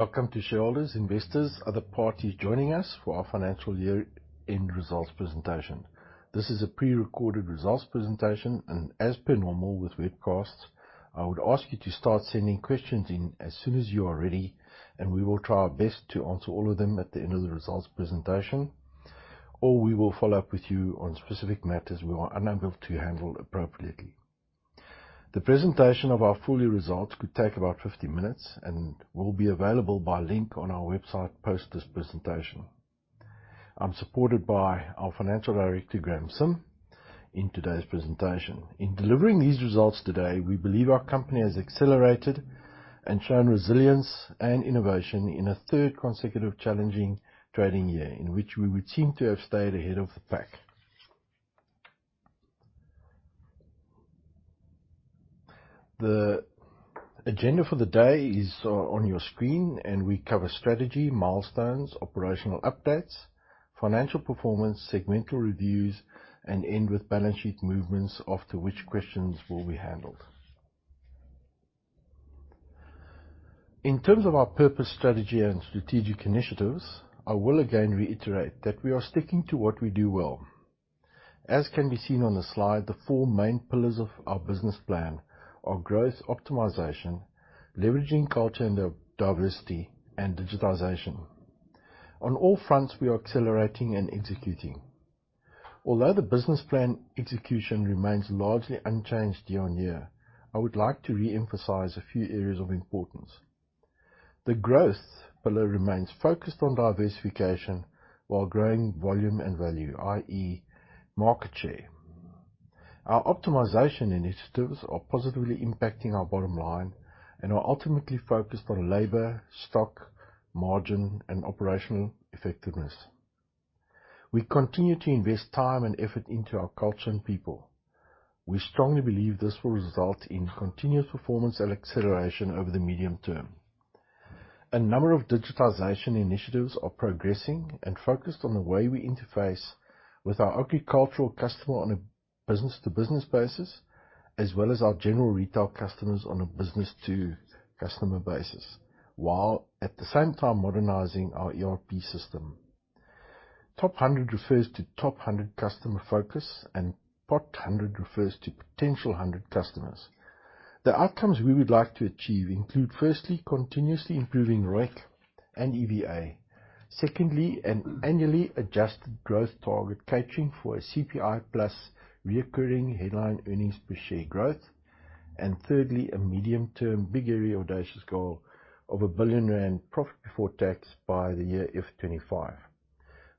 Welcome to shareholders, investors, other parties joining us for our financial year-end results presentation. This is a pre-recorded results presentation. As per normal with webcasts, I would ask you to start sending questions in as soon as you are ready, and we will try our best to answer all of them at the end of the results presentation. We will follow up with you on specific matters we are unable to handle appropriately. The presentation of our full year results could take about 50 minutes and will be available by link on our website post this presentation. I'm supported by our Financial Director, Graeme Sim, in today's presentation. In delivering these results today, we believe our company has accelerated and shown resilience and innovation in a third consecutive challenging trading year, in which we would seem to have stayed ahead of the pack. The agenda for the day is on your screen, we cover strategy, milestones, operational updates, financial performance, segmental reviews, and end with balance sheet movements, after which questions will be handled. In terms of our purpose, strategy, and strategic initiatives, I will again reiterate that we are sticking to what we do well. As can be seen on the slide, the four main pillars of our business plan are growth, optimization, leveraging culture and diversity, and digitization. On all fronts, we are accelerating and executing. Although the business plan execution remains largely unchanged year-on-year, I would like to re-emphasize a few areas of importance. The growth pillar remains focused on diversification while growing volume and value, i.e., market share. Our optimization initiatives are positively impacting our bottom line and are ultimately focused on labor, stock, margin, and operational effectiveness. We continue to invest time and effort into our culture and people. We strongly believe this will result in continuous performance and acceleration over the medium term. A number of digitization initiatives are progressing and focused on the way we interface with our agricultural customer on a B2B basis, as well as our general retail customers on a B2C basis, while at the same time modernizing our ERP system. Top hundred refers to top hundred customer focus, and bot hundred refers to potential hundred customers. The outcomes we would like to achieve include, firstly, continuously improving ROIC and EVA. Secondly, an annually adjusted growth target catering for a CPI plus recurring headline earnings per share growth. Thirdly, a medium-term, big, hairy, audacious goal of 1 billion rand in profit before tax by the year F25,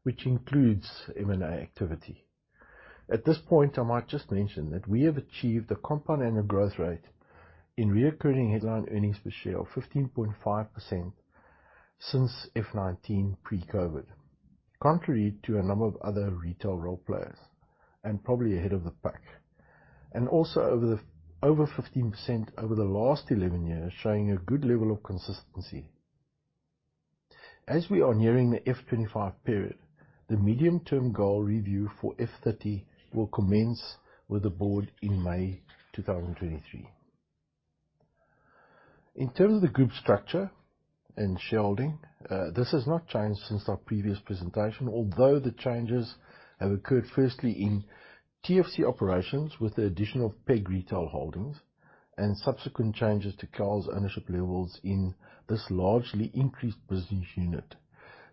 which includes M&A activity. At this point, I might just mention that we have achieved a compound annual growth rate in reoccurring headline earnings per share of 15.5% since F19 pre-COVID, contrary to a number of other retail role players, and probably ahead of the pack. Also over 15% over the last 11 years, showing a good level of consistency. As we are nearing the F25 period, the medium-term goal review for F30 will commence with the board in May 2023. In terms of group structure and shareholding, this has not changed since our previous presentation, although the changes have occurred, firstly in TFC operations with the additional PEG Retail Holdings and subsequent changes to KAL's ownership levels in this largely increased business unit.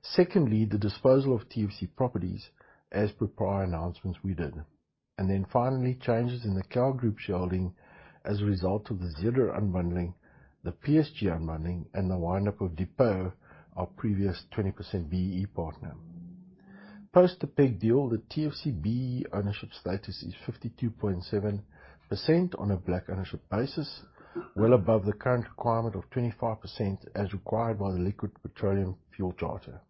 Secondly, the disposal of TFC properties as per prior announcements we did. Finally, changes in the KAL Group shareholding as a result of the Zeder unbundling, the PSG unbundling, and the wind up of Depo Trust, our previous 20% BEE partner. Post the PEG deal, the TFC BEE ownership status is 52.7% on a black ownership basis, well above the current requirement of 25%, as required by the Liquid Fuels Charter.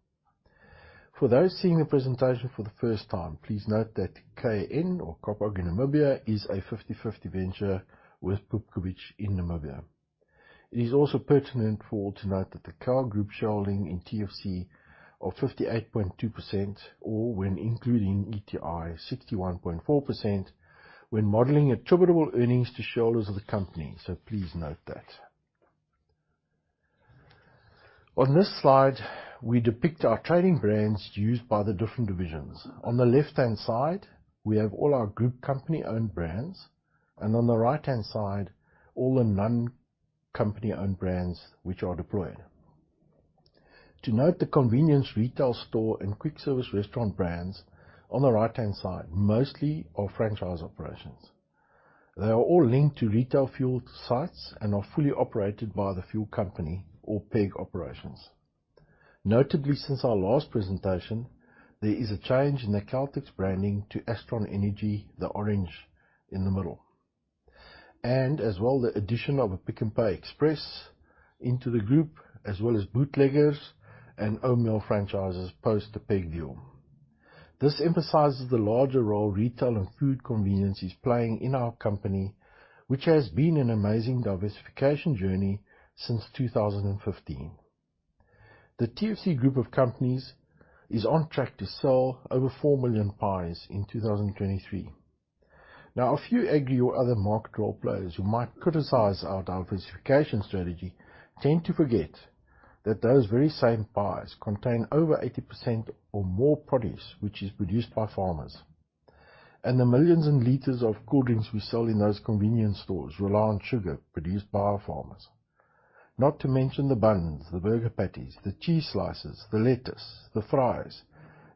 For those seeing the presentation for the first time, please note that KAN, or Kaap Agri Namibia, is a 50/50 venture with Pupkewitz in Namibia. It is also pertinent for all to note that the KAL Group shareholding in TFC of 58.2%, or when including ETG, 61.4%, when modeling attributable earnings to shareholders of the company. Please note that. On this slide, we depict our trading brands used by the different divisions. On the left-hand side, we have all our group company-owned brands, and on the right-hand side, all the non-company-owned brands which are deployed. To note the convenience retail store and quick service restaurant brands on the right-hand side, mostly are franchise operations. They are all linked to retail fuel sites and are fully operated by The Fuel Company or PEG operations. Notably, since our last presentation, there is a change in the Caltex branding to Astron Energy, the orange in the middle. As well, the addition of a Pick n Pay Express into the group, as well as Bootleggers and O'Meal franchises post the PEG deal. This emphasizes the larger role retail and food convenience is playing in our company, which has been an amazing diversification journey since 2015. The TFC Group of companies is on track to sell over 4 million pies in 2023. A few Agri or other market role players who might criticize our diversification strategy tend to forget that those very same pies contain over 80% or more produce, which is produced by farmers. The millions and liters of cool drinks we sell in those convenience stores rely on sugar produced by our farmers. Not to mention the buns, the burger patties, the cheese slices, the lettuce, the fries.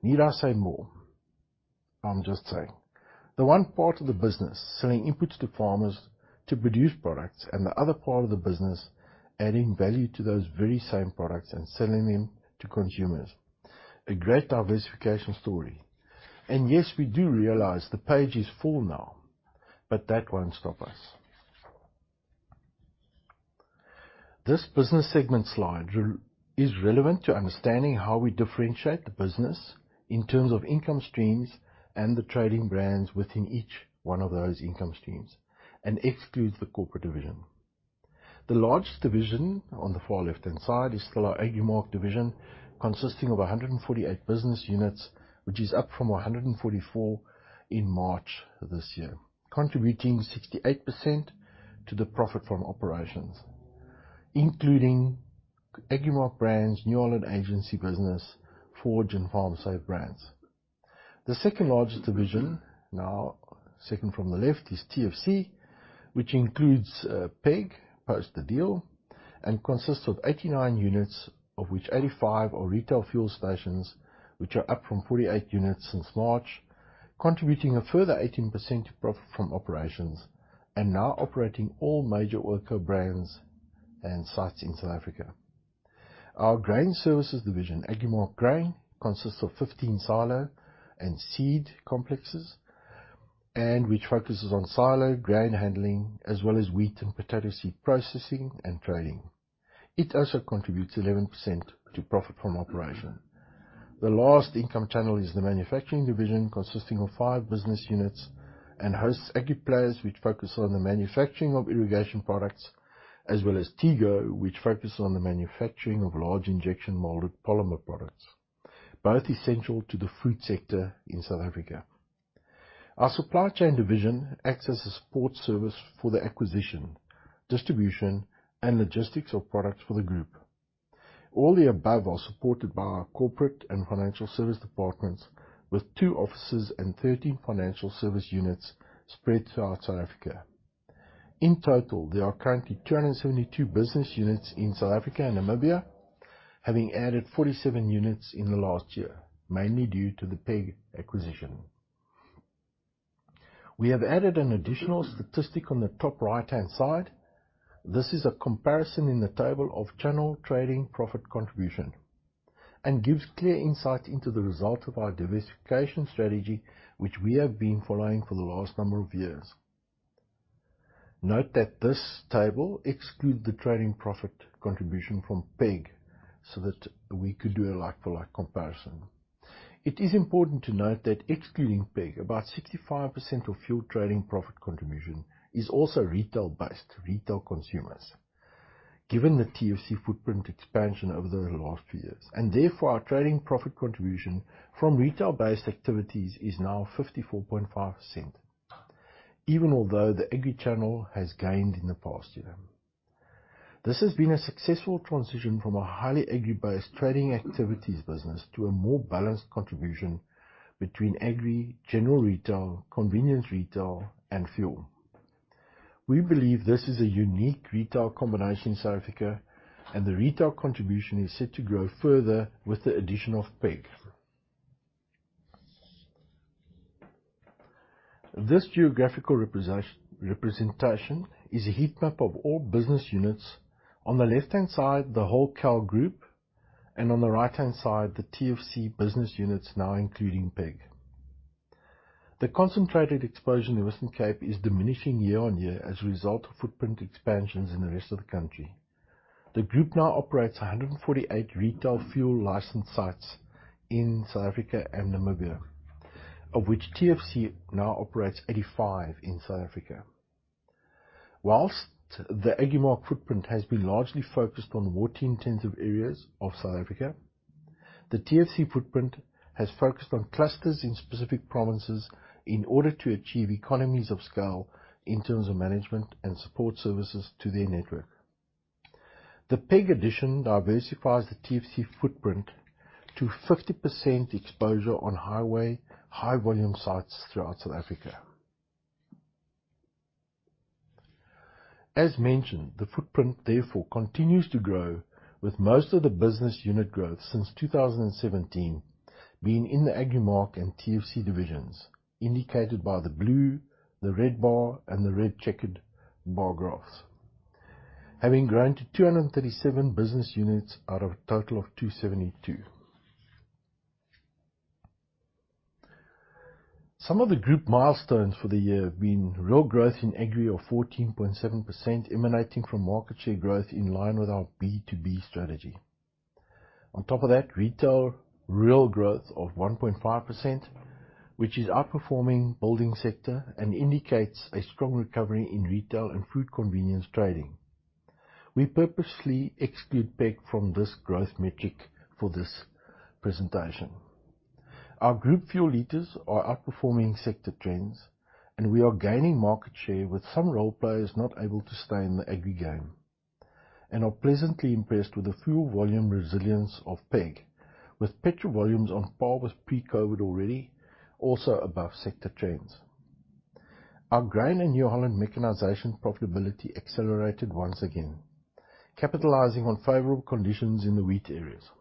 Need I say more? I'm just saying. The one part of the business selling inputs to farmers to produce products and the other part of the business adding value to those very same products and selling them to consumers. A great diversification story. Yes, we do realize the page is full now, but that won't stop us. This business segment slide is relevant to understanding how we differentiate the business in terms of income streams and the trading brands within each one of those income streams, and excludes the corporate division. The largest division on the far left-hand side is still our Agrimark division, consisting of 148 business units, which is up from 144 in March this year, contributing 68% to the profit from operations, including Agrimark brands, New Holland agency business, Forge and FarmSave brands. The second-largest division now, second from the left, is TFC, which includes PEG post the deal, and consists of 89 units, of which 85 are retail fuel stations, which are up from 48 units since March, contributing a further 18% profit from operations and now operating all major oil co-brands and sites in South Africa. Our grain services division, Agrimark Grain, consists of 15 silo and seed complexes, which focuses on silo grain handling as well as wheat and potato seed processing and trading. It also contributes 11% to profit from operation. The last income channel is the manufacturing division, consisting of five business units and hosts Agriplas which focus on the manufacturing of irrigation products as well as Tego, which focuses on the manufacturing of large injection molded polymer products, both essential to the food sector in South Africa. Our supply chain division acts as a support service for the acquisition, distribution, and logistics of products for the group. All the above are supported by our corporate and financial service departments, with two offices and 13 financial service units spread throughout South Africa. In total, there are currently 272 business units in South Africa and Namibia, having added 47 units in the last year, mainly due to the PEG acquisition. We have added an additional statistic on the top right-hand side. This is a comparison in the table of channel trading profit contribution and gives clear insight into the result of our diversification strategy, which we have been following for the last number of years. Note that this table excludes the trading profit contribution from PEG so that we could do a like for like comparison. It is important to note that excluding PEG, about 65% of fuel trading profit contribution is also retail-based, retail consumers, given the TFC footprint expansion over the last few years. Therefore, our trading profit contribution from retail-based activities is now 54.5%, even although the Agri channel has gained in the past year. This has been a successful transition from a highly Agri-based trading activities business to a more balanced contribution between Agri, general retail, convenience retail and fuel. We believe this is a unique retail combination in South Africa, and the retail contribution is set to grow further with the addition of PEG. This geographical representation is a heat map of all business units. On the left-hand side, the whole KAL Group and on the right-hand side, the TFC business units now including PEG. The concentrated exposure in the Western Cape is diminishing year on year as a result of footprint expansions in the rest of the country. The group now operates 148 retail fuel licensed sites in South Africa and Namibia, of which TFC now operates 85 in South Africa. Whilst the Agrimark footprint has been largely focused on water intensive areas of South Africa, the TFC footprint has focused on clusters in specific provinces in order to achieve economies of scale in terms of management and support services to their network. The PEG addition diversifies the TFC footprint to 50% exposure on highway high volume sites throughout South Africa. As mentioned, the footprint therefore continues to grow, with most of the business unit growth since 2017 being in the Agrimark and TFC divisions, indicated by the blue, the red bar, and the red checkered bar graphs, having grown to 237 business units out of a total of 272. Some of the group milestones for the year have been real growth in Agri of 14.7% emanating from market share growth in line with our B2B strategy. On top of that, retail real growth of 1.5%, which is outperforming building sector and indicates a strong recovery in retail and food convenience trading. We purposely exclude PEG from this growth metric for this presentation. Our group fuel liters are outperforming sector trends, and we are gaining market share with some role players not able to stay in the Agri game. Are pleasantly impressed with the fuel volume resilience of PEG, with petrol volumes on par with pre-COVID already, also above sector trends. Our grain and New Holland mechanization profitability accelerated once again, capitalizing on favorable conditions in the wheat areas.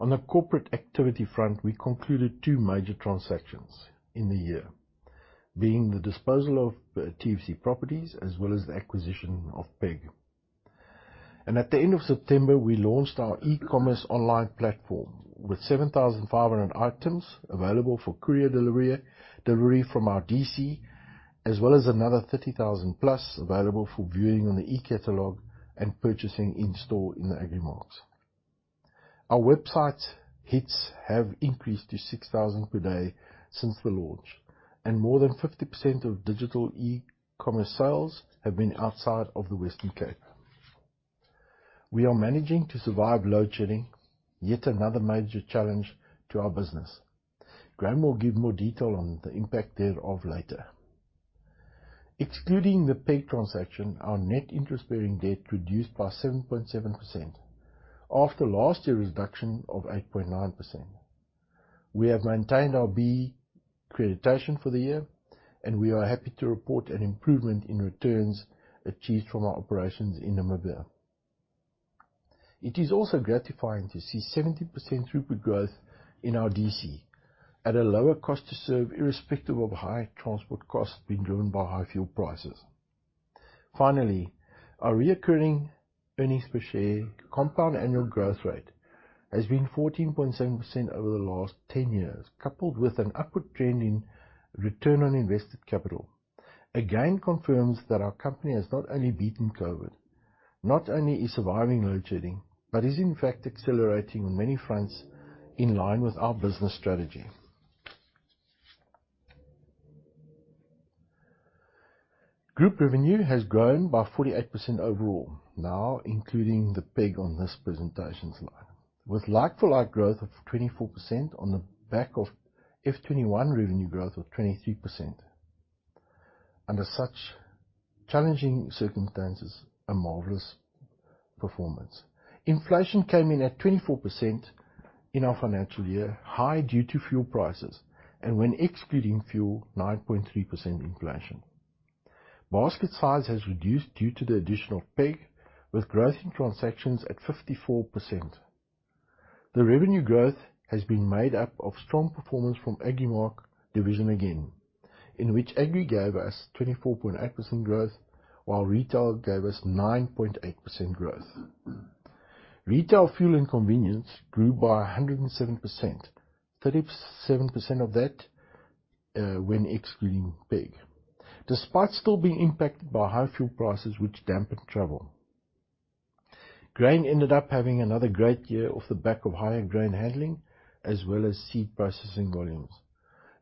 On the corporate activity front, we concluded two major transactions in the year, being the disposal of TFC properties as well as the acquisition of PEG. At the end of September, we launched our e-commerce online platform, with 7,500 items available for courier delivery from our DC, as well as another 30,000+ available for viewing on the e-catalog and purchasing in store in the Agrimark. Our website hits have increased to 6,000 per day since the launch, and more than 50% of digital e-commerce sales have been outside of the Western Cape. We are managing to survive load shedding, yet another major challenge to our business. Graeme will give more detail on the impact thereof later. Excluding the PEG transaction, our net interest-bearing debt reduced by 7.7% after last year's reduction of 8.9%. We have maintained our B accreditation for the year. We are happy to report an improvement in returns achieved from our operations in Namibia. It is also gratifying to see 70% throughput growth in our DC at a lower cost to serve irrespective of high transport costs being driven by high fuel prices. Finally, our recurring earnings per share compound annual growth rate has been 14.7% over the last 10 years, coupled with an upward trend in return on invested capital. Again, confirms that our company has not only beaten COVID, not only is surviving load shedding, but is in fact accelerating on many fronts in line with our business strategy. Group revenue has grown by 48% overall now including the PEG on this presentation slide. With like-for-like growth of 24% on the back of F 2021 revenue growth of 23%. Under such challenging circumstances, a marvelous performance. Inflation came in at 24% in our financial year, high due to fuel prices, and when excluding fuel, 9.3% inflation. Basket size has reduced due to the addition of PEG, with growth in transactions at 54%. The revenue growth has been made up of strong performance from Agrimark division again, in which Agri gave us 24.8% growth, while Retail gave us 9.8% growth. Retail, Fuel and Convenience grew by 107%, 37% of that, when excluding PEG. Despite still being impacted by high fuel prices which dampened travel. Grain ended up having another great year off the back of higher grain handling, as well as seed processing volumes.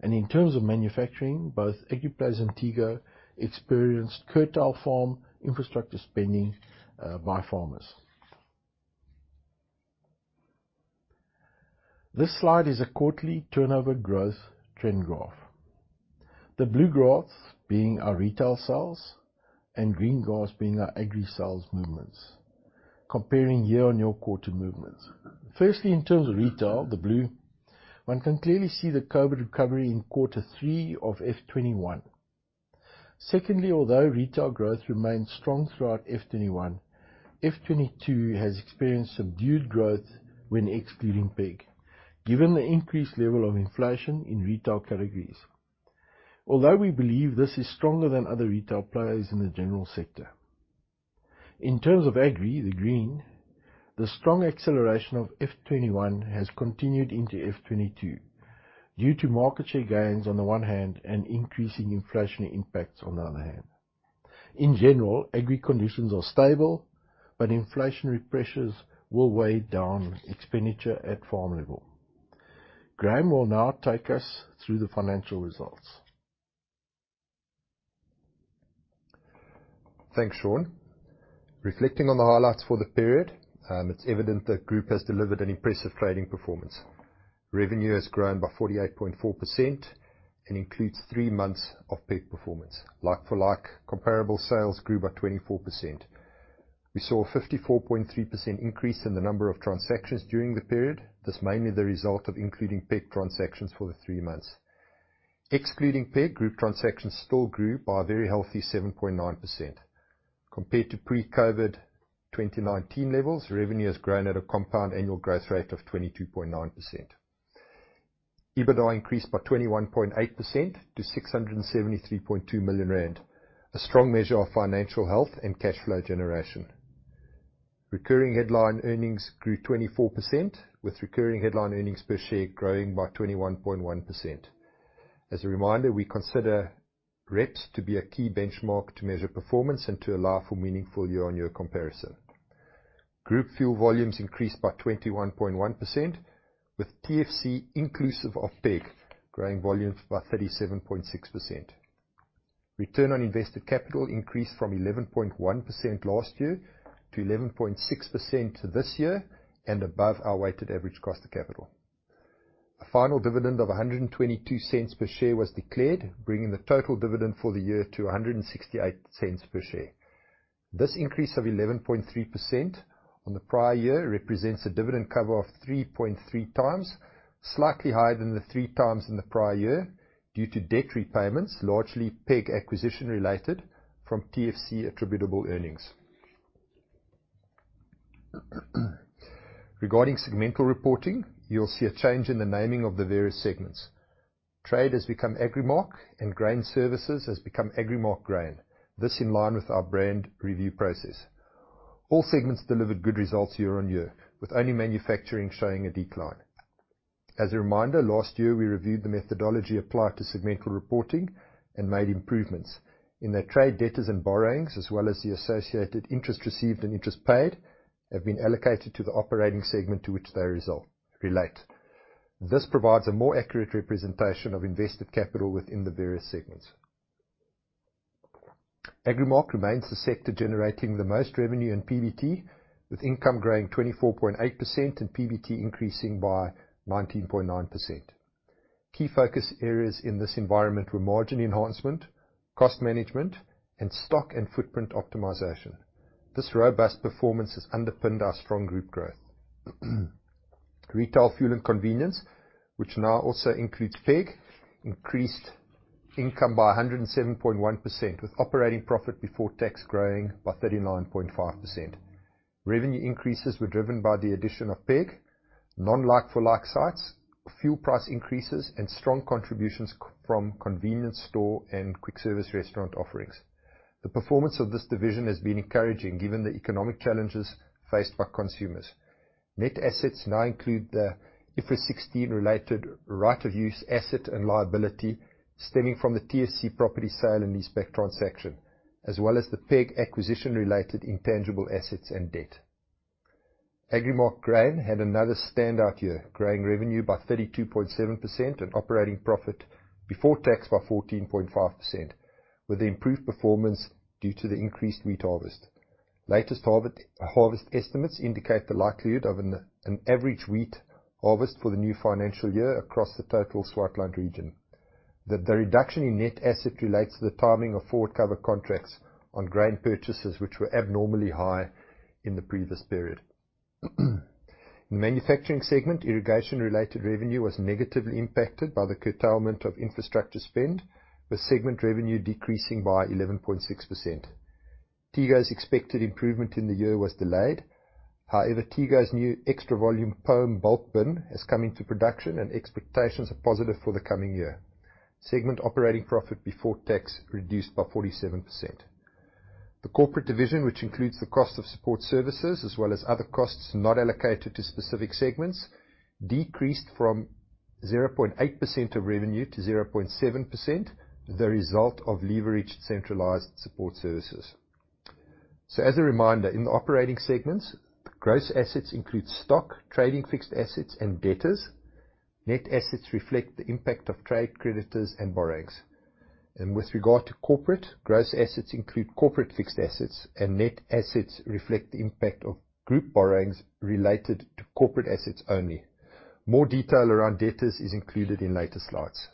In terms of manufacturing, both Agriplas and Tego experienced curtail farm infrastructure spending by farmers. This slide is a quarterly turnover growth trend graph. The blue graphs being our Retail sales and green graphs being our Agri sales movements, comparing year-on-year quarter movements. Firstly, in terms of Retail, the blue, one can clearly see the COVID recovery in quarter three of F 2021. Secondly, although Retail growth remained strong throughout F 2021, F 2022 has experienced subdued growth when excluding PEG, given the increased level of inflation in Retail categories. Although we believe this is stronger than other Retail players in the general sector. In terms of Agri, the green, the strong acceleration of F 2021 has continued into F 2022 due to market share gains on the one hand and increasing inflationary impacts on the other hand. In general, Agri conditions are stable, but inflationary pressures will weigh down expenditure at farm level. Graeme will now take us through the financial results. Thanks, Sean. Reflecting on the highlights for the period, it's evident that Group has delivered an impressive trading performance. Revenue has grown by 48.4% and includes three months of PEG performance. Like-for-like comparable sales grew by 24%. We saw a 54.3% increase in the number of transactions during the period. This mainly the result of including PEG transactions for the three months. Excluding PEG, Group transactions still grew by a very healthy 7.9%. Compared to pre-COVID 2019 levels, revenue has grown at a compound annual growth rate of 22.9%. EBITDA increased by 21.8% to 673.2 million rand, a strong measure of financial health and cash flow generation. Recurring headline earnings grew 24%, with recurring headline earnings per share growing by 21.1%. As a reminder, we consider REPS to be a key benchmark to measure performance and to allow for meaningful year-on-year comparison. Group fuel volumes increased by 21.1% with TFC inclusive of PEG growing volumes by 37.6%. Return on invested capital increased from 11.1% last year to 11.6% this year and above our weighted average cost of capital. A final dividend of 1.22 per share was declared, bringing the total dividend for the year to 1.68 per share. This increase of 11.3% on the prior year represents a dividend cover of 3.3x, slightly higher than the 3x in the prior year due to debt repayments, largely PEG acquisition related from TFC attributable earnings. Regarding segmental reporting, you'll see a change in the naming of the various segments. Trade has become Agrimark, and Grain Services has become Agrimark Grain. This in line with our brand review process. All segments delivered good results year-over-year, with only manufacturing showing a decline. As a reminder, last year we reviewed the methodology applied to segmental reporting and made improvements in the trade debtors and borrowings as well as the associated interest received and interest paid have been allocated to the operating segment to which they result, relate. This provides a more accurate representation of invested capital within the various segments. Agrimark remains the sector generating the most revenue and PBT, with income growing 24.8% and PBT increasing by 19.9%. Key focus areas in this environment were margin enhancement, cost management and stock and footprint optimization. This robust performance has underpinned our strong group growth. Retail fuel and convenience, which now also includes PEG, increased income by 107.1%, with operating profit before tax growing by 39.5%. Revenue increases were driven by the addition of PEG, non-like for like sites, fuel price increases and strong contributions from convenience store and quick service restaurant offerings. The performance of this division has been encouraging given the economic challenges faced by consumers. Net assets now include the IFRS 16 related right of use asset and liability stemming from the TFC property sale and leaseback transaction, as well as the PEG acquisition related intangible assets and debt. Agrimark Grain had another standout year, growing revenue by 32.7% and operating profit before tax by 14.5%, with improved performance due to the increased wheat harvest. Latest harvest estimates indicate the likelihood of an average wheat harvest for the new financial year across the total Swartland region. The reduction in net asset relates to the timing of forward cover contracts on grain purchases which were abnormally high in the previous period. In the manufacturing segment, irrigation related revenue was negatively impacted by the curtailment of infrastructure spend, with segment revenue decreasing by 11.6%. Tego's expected improvement in the year was delayed. However, Tego's new extra volume pome bulk bin has come into production and expectations are positive for the coming year. Segment operating profit before tax reduced by 47%. The corporate division, which includes the cost of support services as well as other costs not allocated to specific segments, decreased from 0.8% of revenue to 0.7%, the result of leveraged centralized support services. As a reminder, in the operating segments, gross assets include stock, trading fixed assets and debtors. Net assets reflect the impact of trade creditors and borrowings. With regard to corporate, gross assets include corporate fixed assets, and net assets reflect the impact of group borrowings related to corporate assets only. More detail around debtors is included in later slides.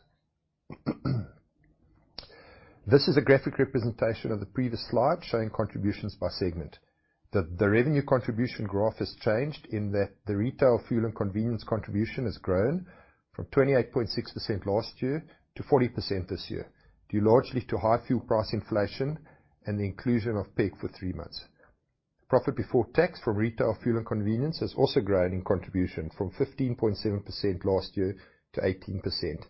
This is a graphic representation of the previous slide showing contributions by segment. The revenue contribution graph has changed in that the retail fuel and convenience contribution has grown from 28.6% last year to 40% this year, due largely to high fuel price inflation and the inclusion of PEG for three months. Profit before tax from retail fuel and convenience has also grown in contribution from 15.7% last year to 18%.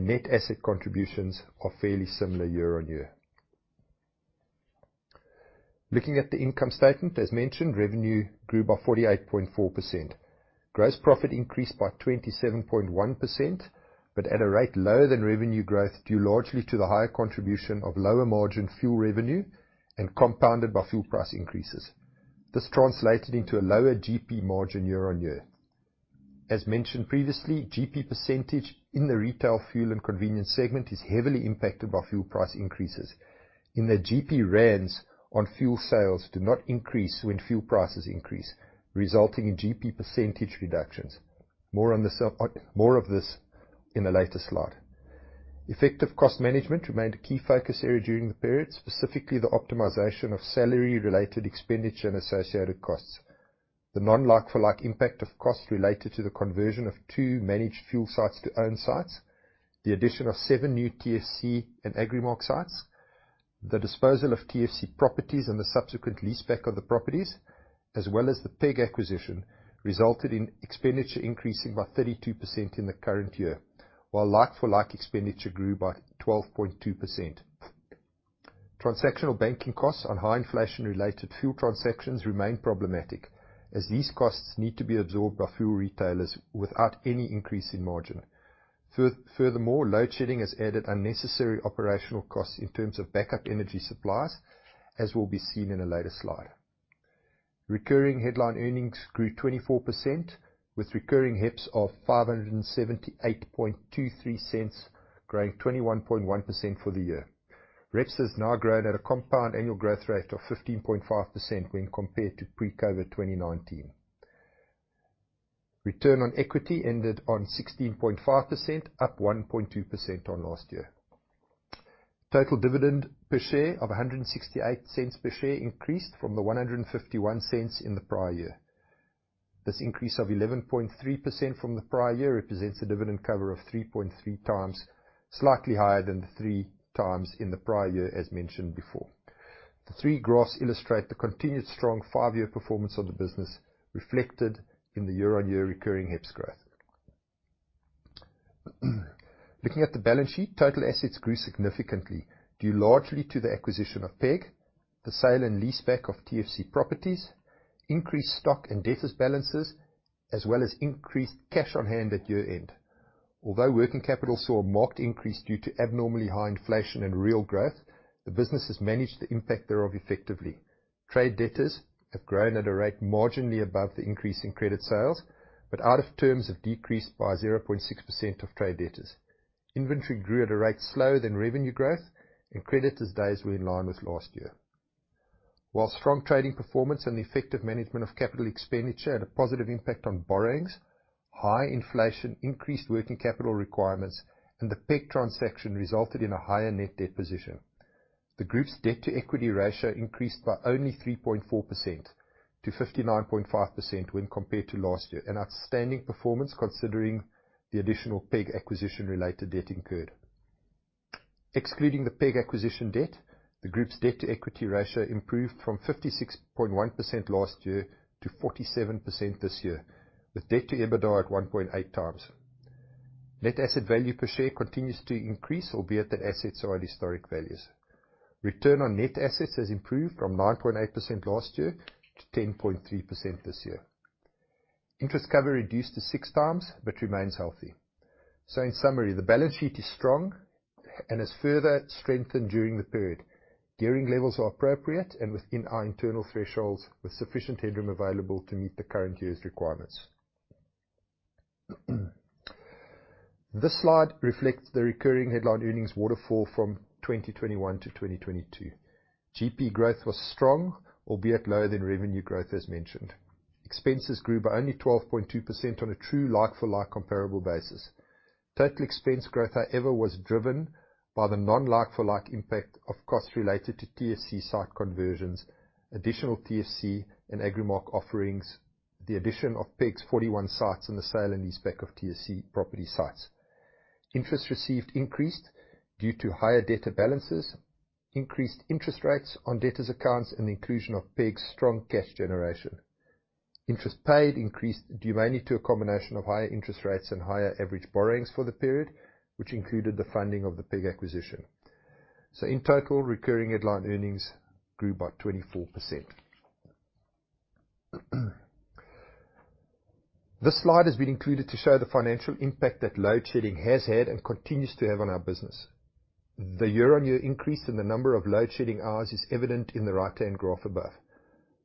Net asset contributions are fairly similar year-on-year. Looking at the income statement, as mentioned, revenue grew by 48.4%. Gross profit increased by 27.1%, but at a rate lower than revenue growth, due largely to the higher contribution of lower margin fuel revenue and compounded by fuel price increases. This translated into a lower GP margin year-on-year. As mentioned previously, GP % in the retail fuel and convenience segment is heavily impacted by fuel price increases. In the GP rands on fuel sales do not increase when fuel prices increase, resulting in GP % reductions. More of this in a later slide. Effective cost management remained a key focus area during the period, specifically the optimization of salary related expenditure and associated costs. The non-like for like impact of costs related to the conversion of two managed fuel sites to own sites, the addition of seven new TFC and Agrimark sites, the disposal of TFC properties and the subsequent leaseback of the properties, as well as the PEG acquisition, resulted in expenditure increasing by 32% in the current year, while like for like expenditure grew by 12.2%. Transactional banking costs on high inflation related fuel transactions remain problematic as these costs need to be absorbed by fuel retailers without any increase in margin. Furthermore, load shedding has added unnecessary operational costs in terms of backup energy supplies, as will be seen in a later slide. Recurring headline earnings grew 24% with recurring EPS of 5.7823, growing 21.1% for the year. REPS has now grown at a compound annual growth rate of 15.5% when compared to pre-COVID 2019. Return on equity ended on 16.5%, up 1.2% on last year. Total dividend per share of 1.68 per share increased from the 1.51 in the prior year. This increase of 11.3% from the prior year represents a dividend cover of 3.3x, slightly higher than the three times in the prior year, as mentioned before. The three graphs illustrate the continued strong five-year performance of the business reflected in the year-on-year recurring EPS growth. Looking at the balance sheet, total assets grew significantly due largely to the acquisition of PEG, the sale and leaseback of TFC Properties, increased stock and debtors balances, as well as increased cash on hand at year-end. Working capital saw a marked increase due to abnormally high inflation and real growth, the business has managed the impact thereof effectively. Trade debtors have grown at a rate marginally above the increase in credit sales, but out of terms have decreased by 0.6% of trade debtors. Inventory grew at a rate slower than revenue growth, and creditors' days were in line with last year. While strong trading performance and the effective management of capital expenditure had a positive impact on borrowings, high inflation increased working capital requirements and the PEG transaction resulted in a higher net debt position. The group's debt to equity ratio increased by only 3.4%-59.5% when compared to last year. An outstanding performance considering the additional PEG acquisition-related debt incurred. Excluding the PEG acquisition debt, the group's debt to equity ratio improved from 56.1% last year to 47% this year, with debt to EBITDA at 1.8x. Net asset value per share continues to increase, albeit that assets are at historic values. Return on net assets has improved from 9.8% last year to 10.3% this year. Interest cover reduced to 6x, but remains healthy. In summary, the balance sheet is strong and is further strengthened during the period. Gearing levels are appropriate and within our internal thresholds with sufficient headroom available to meet the current year's requirements. This slide reflects the recurring headline earnings waterfall from 2021-2022. GP growth was strong, albeit lower than revenue growth as mentioned. Expenses grew by only 12.2% on a true like-for-like comparable basis. Total expense growth, however, was driven by the non-like-for-like impact of costs related to TFC site conversions, additional TFC and Agrimark offerings, the addition of PEG's 41 sites and the sale and leaseback of TFC property sites. Interest received increased due to higher debtor balances, increased interest rates on debtors accounts, and the inclusion of PEG's strong cash generation. Interest paid increased due mainly to a combination of higher interest rates and higher average borrowings for the period, which included the funding of the PEG acquisition. In total, recurring headline earnings grew by 24%. This slide has been included to show the financial impact that load shedding has had and continues to have on our business. The year-on-year increase in the number of load shedding hours is evident in the right-hand graph above.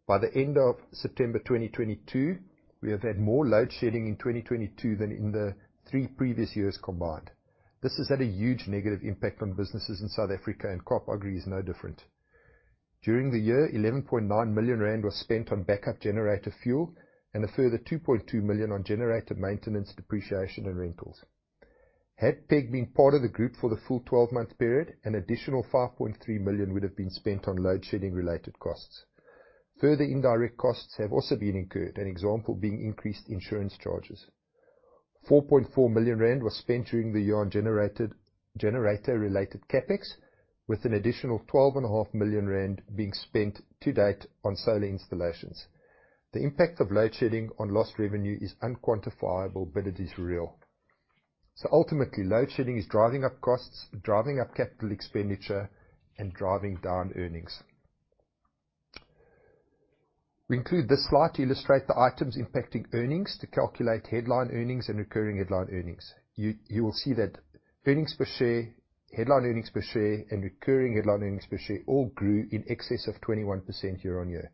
By the end of September 2022, we have had more load shedding in 2022 than in the three previous years combined. This has had a huge negative impact on businesses in South Africa, and Kaap Agri is no different. During the year, 11.9 million rand was spent on backup generator fuel and a further 2.2 million on generator maintenance, depreciation, and rentals. Had PEG been part of the group for the full twelve-month period, an additional 5.3 million would have been spent on load-shedding-related costs. Further indirect costs have also been incurred, an example being increased insurance charges. 4.4 million rand was spent during the year on generator-related CapEx, with an additional twelve and a half million rand being spent to date on solar installations. The impact of load shedding on lost revenue is unquantifiable, but it is real. Ultimately, load shedding is driving up costs, driving up capital expenditure, and driving down earnings. We include this slide to illustrate the items impacting earnings to calculate headline earnings and recurring headline earnings. You will see that earnings per share, headline earnings per share, and recurring headline earnings per share all grew in excess of 21% year-on-year.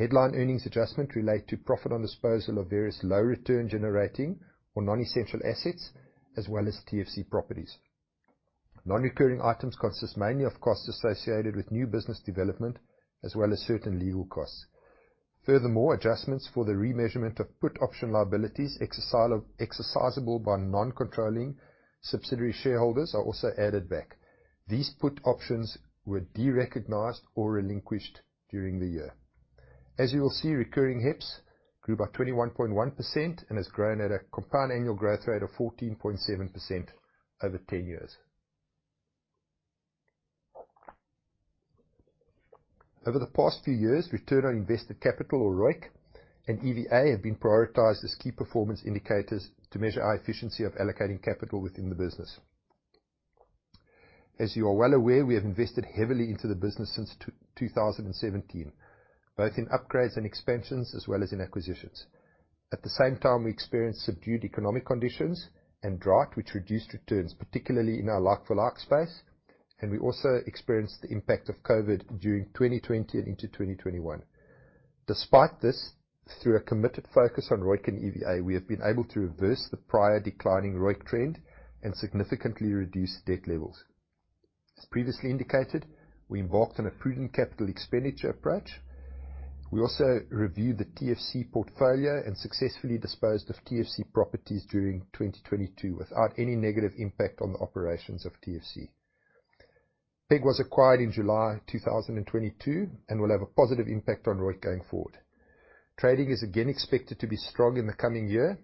Headline earnings adjustment relate to profit on disposal of various low return generating or non-essential assets as well as TFC properties. Non-recurring items consist mainly of costs associated with new business development as well as certain legal costs. Furthermore, adjustments for the remeasurement of put option liabilities exercisable by non-controlling subsidiary shareholders are also added back. These put options were derecognized or relinquished during the year. As you will see, recurring EPS grew by 21.1% and has grown at a compound annual growth rate of 14.7% over 10 years. Over the past few years, return on invested capital or ROIC and EVA have been prioritized as key performance indicators to measure our efficiency of allocating capital within the business. As you are well aware, we have invested heavily into the business since 2017, both in upgrades and expansions as well as in acquisitions. At the same time, we experienced subdued economic conditions and drought, which reduced returns, particularly in our like-for-like space. We also experienced the impact of COVID during 2020 and into 2021. Despite this, through a committed focus on ROIC and EVA, we have been able to reverse the prior declining ROIC trend and significantly reduce debt levels. As previously indicated, we embarked on a prudent capital expenditure approach. We also reviewed the TFC portfolio and successfully disposed of TFC properties during 2022 without any negative impact on the operations of TFC. PEG was acquired in July 2022 and will have a positive impact on ROIC going forward. Trading is again expected to be strong in the coming year,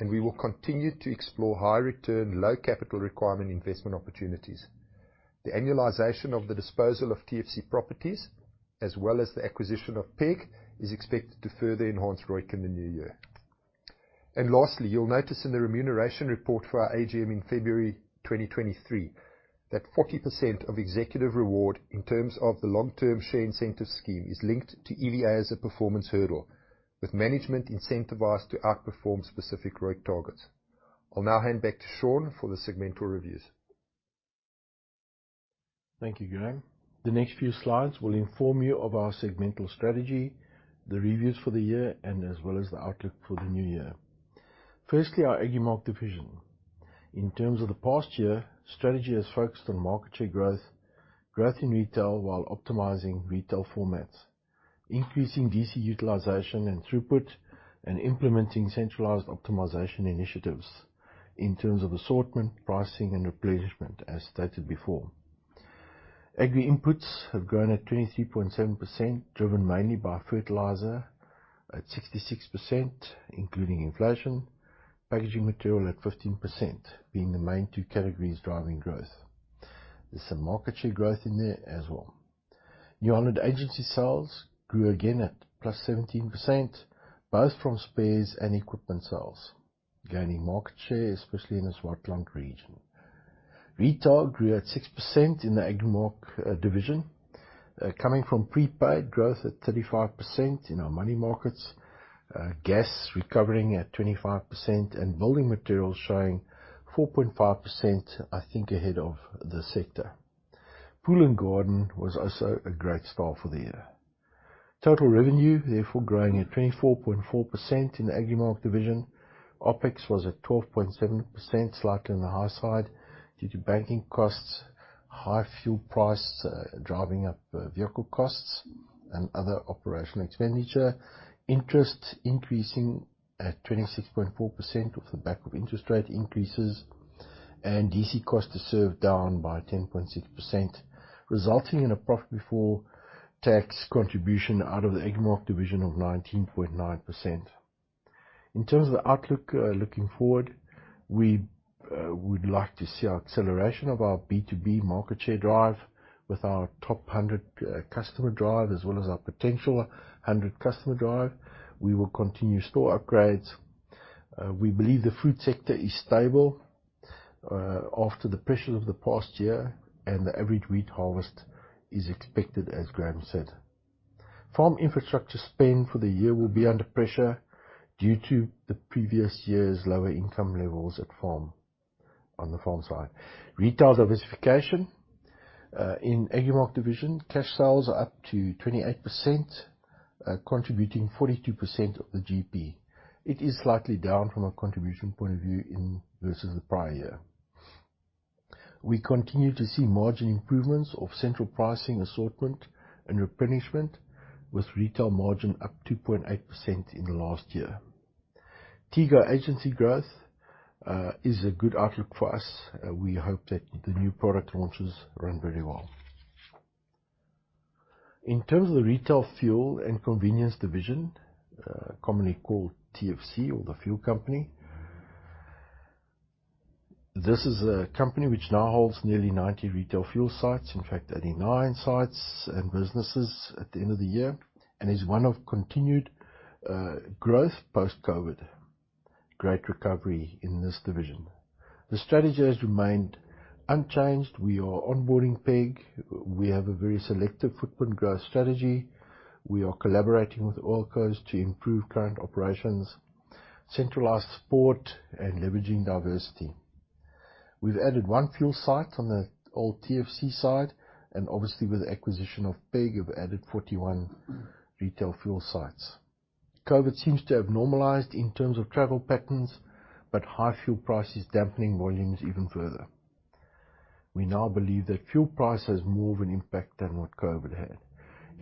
and we will continue to explore high return, low capital requirement investment opportunities. The annualization of the disposal of TFC properties as well as the acquisition of PEG is expected to further enhance ROIC in the new year. Lastly, you'll notice in the remuneration report for our AGM in February 2023, that 40% of executive reward in terms of the long-term share incentive scheme is linked to EVA as a performance hurdle, with management incentivized to outperform specific ROIC targets. I'll now hand back to Sean for the segmental reviews. Thank you, Graeme. The next few slides will inform you of our segmental strategy, the reviews for the year, and as well as the outlook for the new year. Firstly, our Agrimark division. In terms of the past year, strategy is focused on market share growth in retail while optimizing retail formats, increasing DC utilization and throughput, and implementing centralized optimization initiatives in terms of assortment, pricing, and replenishment, as stated before. Agri inputs have grown at 23.7%, driven mainly by fertilizer at 66%, including inflation. Packaging material at 15% being the main two categories driving growth. There's some market share growth in there as well. New Holland agency sales grew again at +17%, both from spares and equipment sales, gaining market share, especially in the Swartland region. Retail grew at 6% in the Agrimark division. Coming from prepaid growth at 35% in our money markets, gas recovering at 25% and building materials showing 4.5%, I think, ahead of the sector. Pool and Garden was also a great star for the year. Total revenue, therefore, growing at 24.4% in the Agrimark division. OpEx was at 12.7%, slightly on the high side due to banking costs, high fuel prices, driving up, vehicle costs and other operational expenditure. Interest increasing at 26.4% off the back of interest rate increases, and DC cost to serve down by 10.6%, resulting in a profit before tax contribution out of the Agrimark division of 19.9%. In terms of the outlook, looking forward, we would like to see acceleration of our B2B market share drive with our top hundred customer drive as well as our potential 100 customer drive. We will continue store upgrades. We believe the food sector is stable after the pressure of the past year and the average wheat harvest is expected, as Graeme said. Farm infrastructure spend for the year will be under pressure due to the previous year's lower income levels at farm, on the farm side. Retail diversification. In Agrimark division, cash sales are up to 28%, contributing 42% of the GP. It is slightly down from a contribution point of view in, versus the prior year. We continue to see margin improvements of central pricing, assortment, and replenishment, with retail margin up 2.8% in the last year. Tiga agency growth is a good outlook for us. We hope that the new product launches run very well. In terms of the Retail Fuel and Convenience division, commonly called TFC or The Fuel Company, this is a company which now holds nearly 90 retail fuel sites, in fact 89 sites and businesses at the end of the year, and is one of continued growth post-COVID. Great recovery in this division. The strategy has remained unchanged. We are onboarding PEG. We have a very selective footprint growth strategy. We are collaborating with oilcos to improve current operations, centralized support, and leveraging diversity. We've added one fuel site on the old TFC side, and obviously with the acquisition of PEG, we've added 41 retail fuel sites. COVID seems to have normalized in terms of travel patterns, high fuel prices dampening volumes even further. We now believe that fuel price has more of an impact than what COVID had.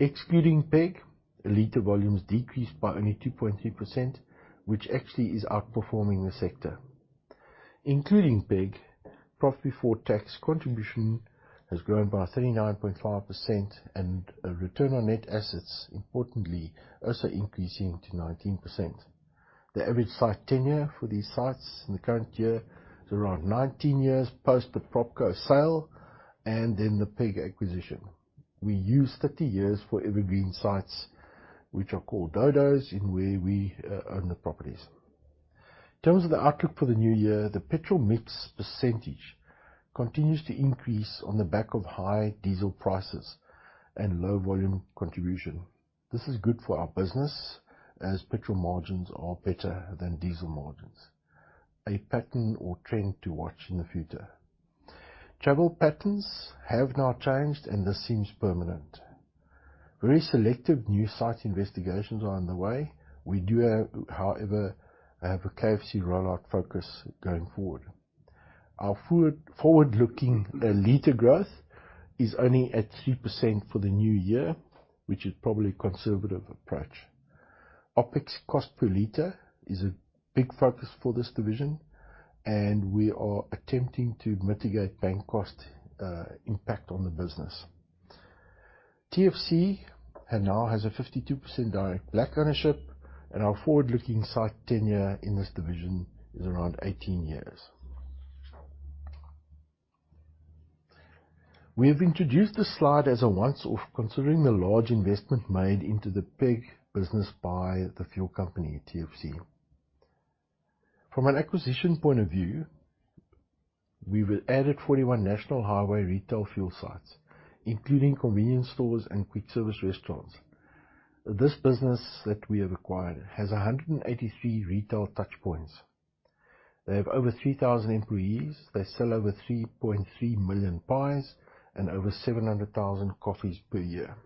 Excluding PEG, liter volumes decreased by only 2.3%, which actually is outperforming the sector. Including PEG, profit before tax contribution has grown by 39.5% and a return on net assets, importantly, also increasing to 19%. The average site tenure for these sites in the current year is around 19 years post the PropCo sale and then the PEG acquisition. We use 30 years for evergreen sites, which are called Dodos, in where we own the properties. In terms of the outlook for the new year, the petrol mix percentage continues to increase on the back of high diesel prices and low volume contribution. This is good for our business as petrol margins are better than diesel margins, a pattern or trend to watch in the future. Travel patterns have now changed. This seems permanent. Very selective new site investigations are on the way. We do have, however, a KFC rollout focus going forward. Our forward-looking liter growth is only at 3% for the new year, which is probably a conservative approach. OpEx cost per liter is a big focus for this division. We are attempting to mitigate bank cost impact on the business. TFC now has a 52% direct black ownership. Our forward-looking site tenure in this division is around 18 years. We have introduced this slide as a once off, considering the large investment made into the PEG business by The Fuel Company, TFC. From an acquisition point of view, we will added 41 national highway retail fuel sites, including convenience stores and quick service restaurants. This business that we have acquired has 183 retail touchpoints. They have over 3,000 employees. They sell over 3.3 million pies and over 700,000 coffees per year.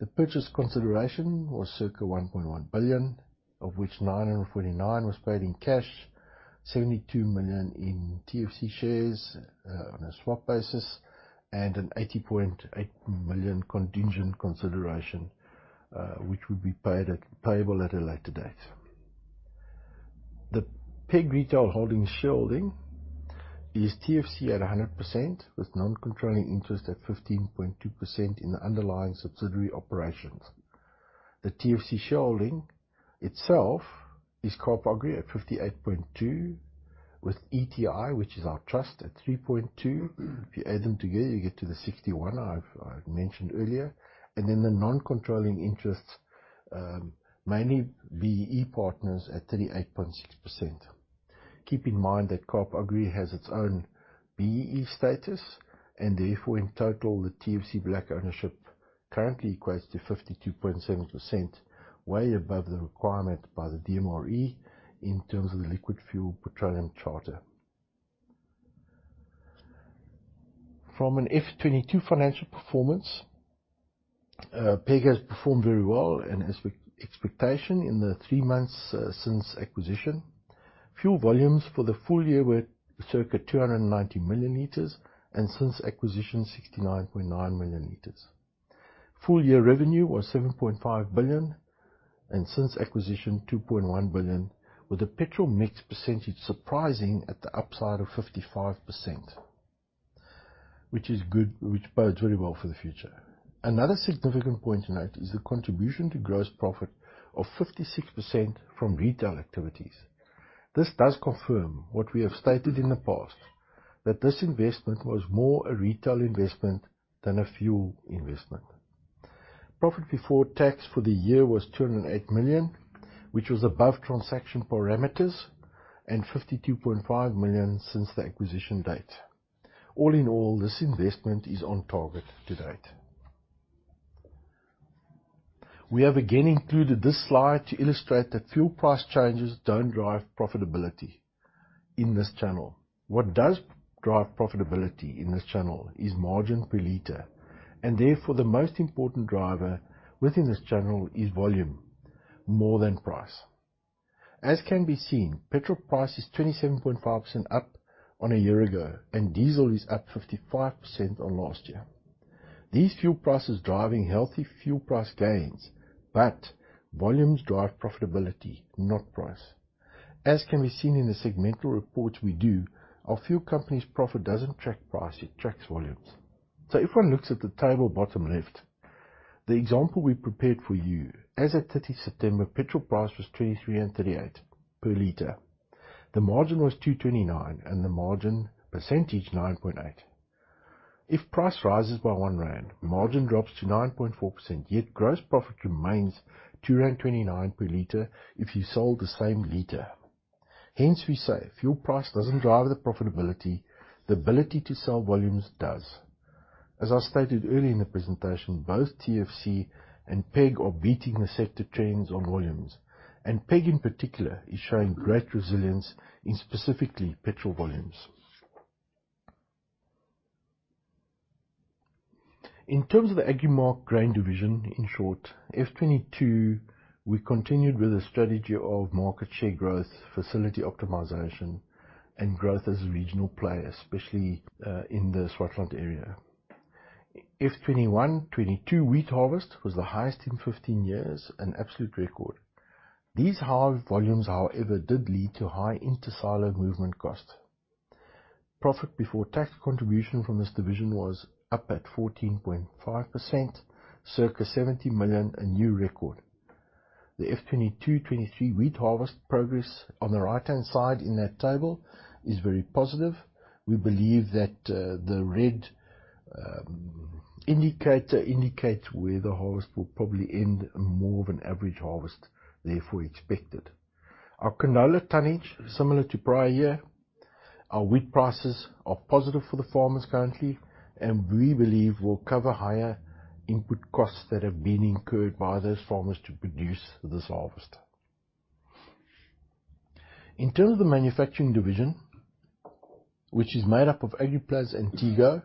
The purchase consideration was circa 1.1 billion, of which 949 million was paid in cash, 72 million in TFC shares, on a swap basis, and a 80.8 million contingent consideration, which will be payable at a later date. The PEG Retail Holdings shareholding is TFC at 100%, with non-controlling interest at 15.2% in the underlying subsidiary operations. The TFC shareholding itself is Kaap Agri at 58.2% with ETG, which is our trust, at 3.2%. If you add them together, you get to the 61% I mentioned earlier. The non-controlling interests, mainly BEE partners at 38.6%. Keep in mind that Kaap Agri has its own BEE status and therefore, in total, the TFC black ownership currently equates to 52.7%, way above the requirement by the DMRE in terms of the Liquid Fuels Charter. From an F 2022 financial performance, PEG has performed very well and as ex-expectation in the three months since acquisition. Fuel volumes for the full year were circa 290 million liters, since acquisition, 69.9 million liters. Full year revenue was 7.5 billion, since acquisition, 2.1 billion, with the petrol mix percentage surprising at the upside of 55%, which is good, which bodes very well for the future. Another significant point to note is the contribution to gross profit of 56% from retail activities. This does confirm what we have stated in the past, that this investment was more a retail investment than a fuel investment. Profit before tax for the year was 208 million, which was above transaction parameters and 52.5 million since the acquisition date. All in all, this investment is on target to date. We have again included this slide to illustrate that fuel price changes don't drive profitability in this channel. What does drive profitability in this channel is margin per liter, and therefore, the most important driver within this channel is volume more than price. As can be seen, petrol price is 27.5% up on a year ago, and diesel is up 55% on last year. These fuel prices driving healthy fuel price gains, but volumes drive profitability, not price. As can be seen in the segmental reports we do, our fuel company's profit doesn't track price, it tracks volumes. If one looks at the table bottom left, the example we prepared for you, as at 30 September, petrol price was 23.38 per liter. The margin was 2.29 and the margin percentage 9.8%. If price rises by 1 rand, margin drops to 9.4%, yet gross profit remains 2.29 rand per liter if you sold the same liter. Hence we say fuel price doesn't drive the profitability. The ability to sell volumes does. As I stated earlier in the presentation, both TFC and Peg are beating the sector trends on volumes, and Peg in particular is showing great resilience in specifically petrol volumes. In terms of the Agrimark Grain division, in short, F 2022, we continued with a strategy of market share growth, facility optimization, and growth as a regional player, especially in the Swartland area. F 2021/2022 wheat harvest was the highest in 15 years, an absolute record. These high volumes, however, did lead to high inter-silo movement costs. Profit before tax contribution from this division was up at 14.5%, circa 70 million, a new record. The F 2022/2023 wheat harvest progress on the right-hand side in that table is very positive. We believe that the red indicator indicates where the harvest will probably end more of an average harvest, therefore expected. Our Canola tonnage, similar to prior year. Our wheat prices are positive for the farmers currently, and we believe will cover higher input costs that have been incurred by those farmers to produce this harvest. In terms of the manufacturing division, which is made up of Agriplas and Tego.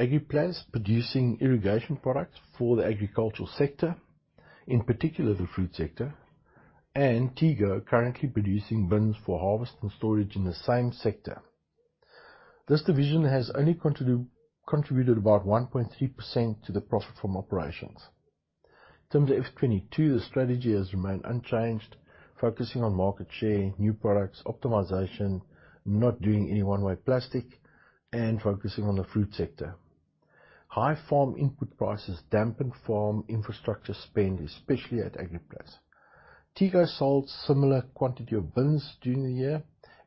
Agriplas producing irrigation products for the agricultural sector, in particular the fruit sector, and Tego currently producing bins for harvest and storage in the same sector. This division has only contributed about 1.3% to the profit from operations. In terms of F 2022, the strategy has remained unchanged, focusing on market share, new products, optimization, not doing any one-way plastic, and focusing on the fruit sector. High farm input prices dampen farm infrastructure spend, especially at Agriplas. Tego sold similar quantity of bins during the year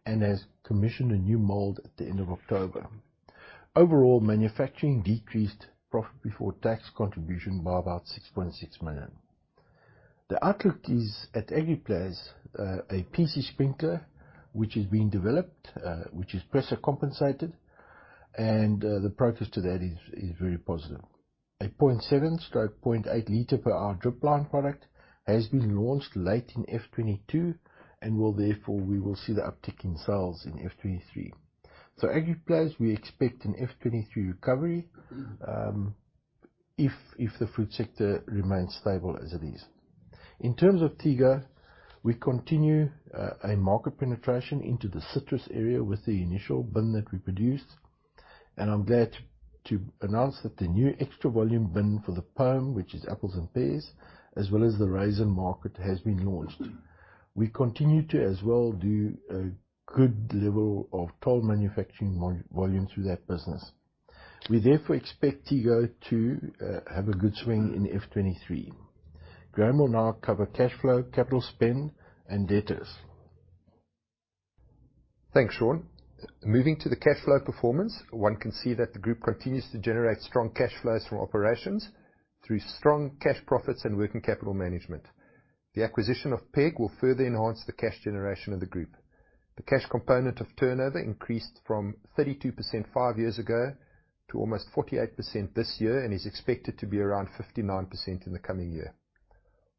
and has commissioned a new mold at the end of October. Overall, manufacturing decreased profit before tax contribution by about 6.6 million. The outlook is at Agriplas, a PC sprinkler which is being developed, which is pressure compensated, the progress to that is very positive. A 0.7/0.8 liter per hour drip line product has been launched late in F 20022 and will therefore we will see the uptick in sales in F 2023. Agriplas we expect an F 2023 recovery, if the fruit sector remains stable as it is. In terms of Tego, we continue a market penetration into the citrus area with the initial bin that we produced, and I'm glad to announce that the new extra volume bin for the POME, which is apples and pears, as well as the raisin market, has been launched. We continue to as well do a good level of total manufacturing volume through that business. We therefore expect Tego to have a good swing in F 2023. Graham will now cover cash flow, capital spend, and debtors. Thanks, Sean. Moving to the cash flow performance, one can see that the group continues to generate strong cash flows from operations through strong cash profits and working capital management. The acquisition of PEG will further enhance the cash generation of the group. The cash component of turnover increased from 32% five years ago to almost 48% this year, and is expected to be around 59% in the coming year.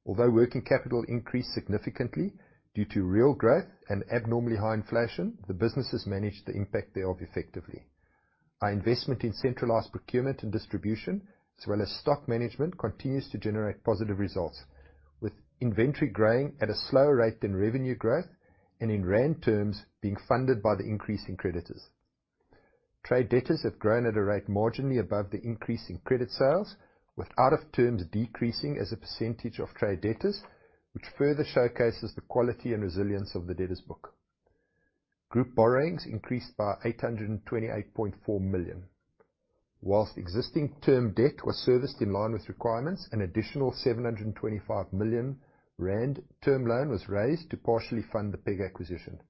Although working capital increased significantly due to real growth and abnormally high inflation, the businesses managed the impact thereof effectively. Our investment in centralized procurement and distribution, as well as stock management, continues to generate positive results, with inventory growing at a slower rate than revenue growth, and in rand terms, being funded by the increase in creditors. Trade debtors have grown at a rate marginally above the increase in credit sales, with out-of-terms decreasing as a percentage of trade debtors, which further showcases the quality and resilience of the debtors book. Group borrowings increased by 828.4 million. Whilst existing term debt was serviced in line with requirements, an additional 725 million rand term loan was raised to partially fund the PEG acquisition.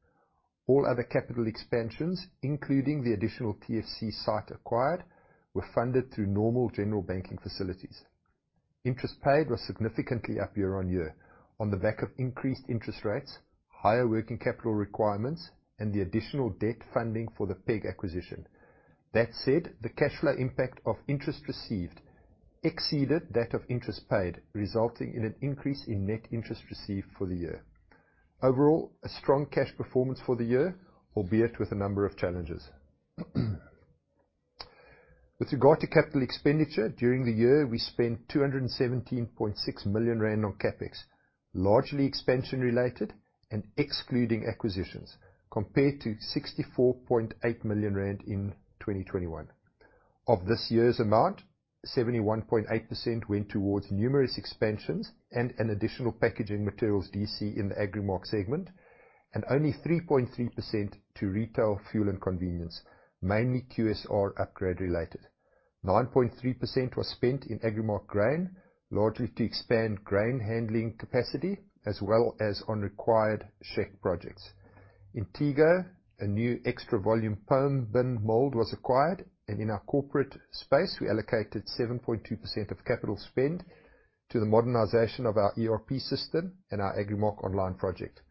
All other capital expansions, including the additional TFC site acquired, were funded through normal general banking facilities. Interest paid was significantly up year on year on the back of increased interest rates, higher working capital requirements, and the additional debt funding for the PEG acquisition. That said, the cash flow impact of interest received exceeded that of interest paid, resulting in an increase in net interest received for the year. Overall, a strong cash performance for the year, albeit with a number of challenges. With regard to capital expenditure, during the year we spent 217.6 million rand on CapEx, largely expansion-related and excluding acquisitions, compared to 64.8 million rand in 2021. Of this year's amount, 71.8% went towards numerous expansions and an additional packaging materials DC in the Agrimark segment, and only 3.3% to retail, fuel and convenience, mainly QSR upgrade related. 9.3% was spent in Agrimark Grain, largely to expand grain handling capacity as well as on required check projects. In Tego, a new extra volume POME bin mold was acquired, and in our corporate space, we allocated 7.2% of capital spend to the modernization of our ERP system and our Agrimark online project.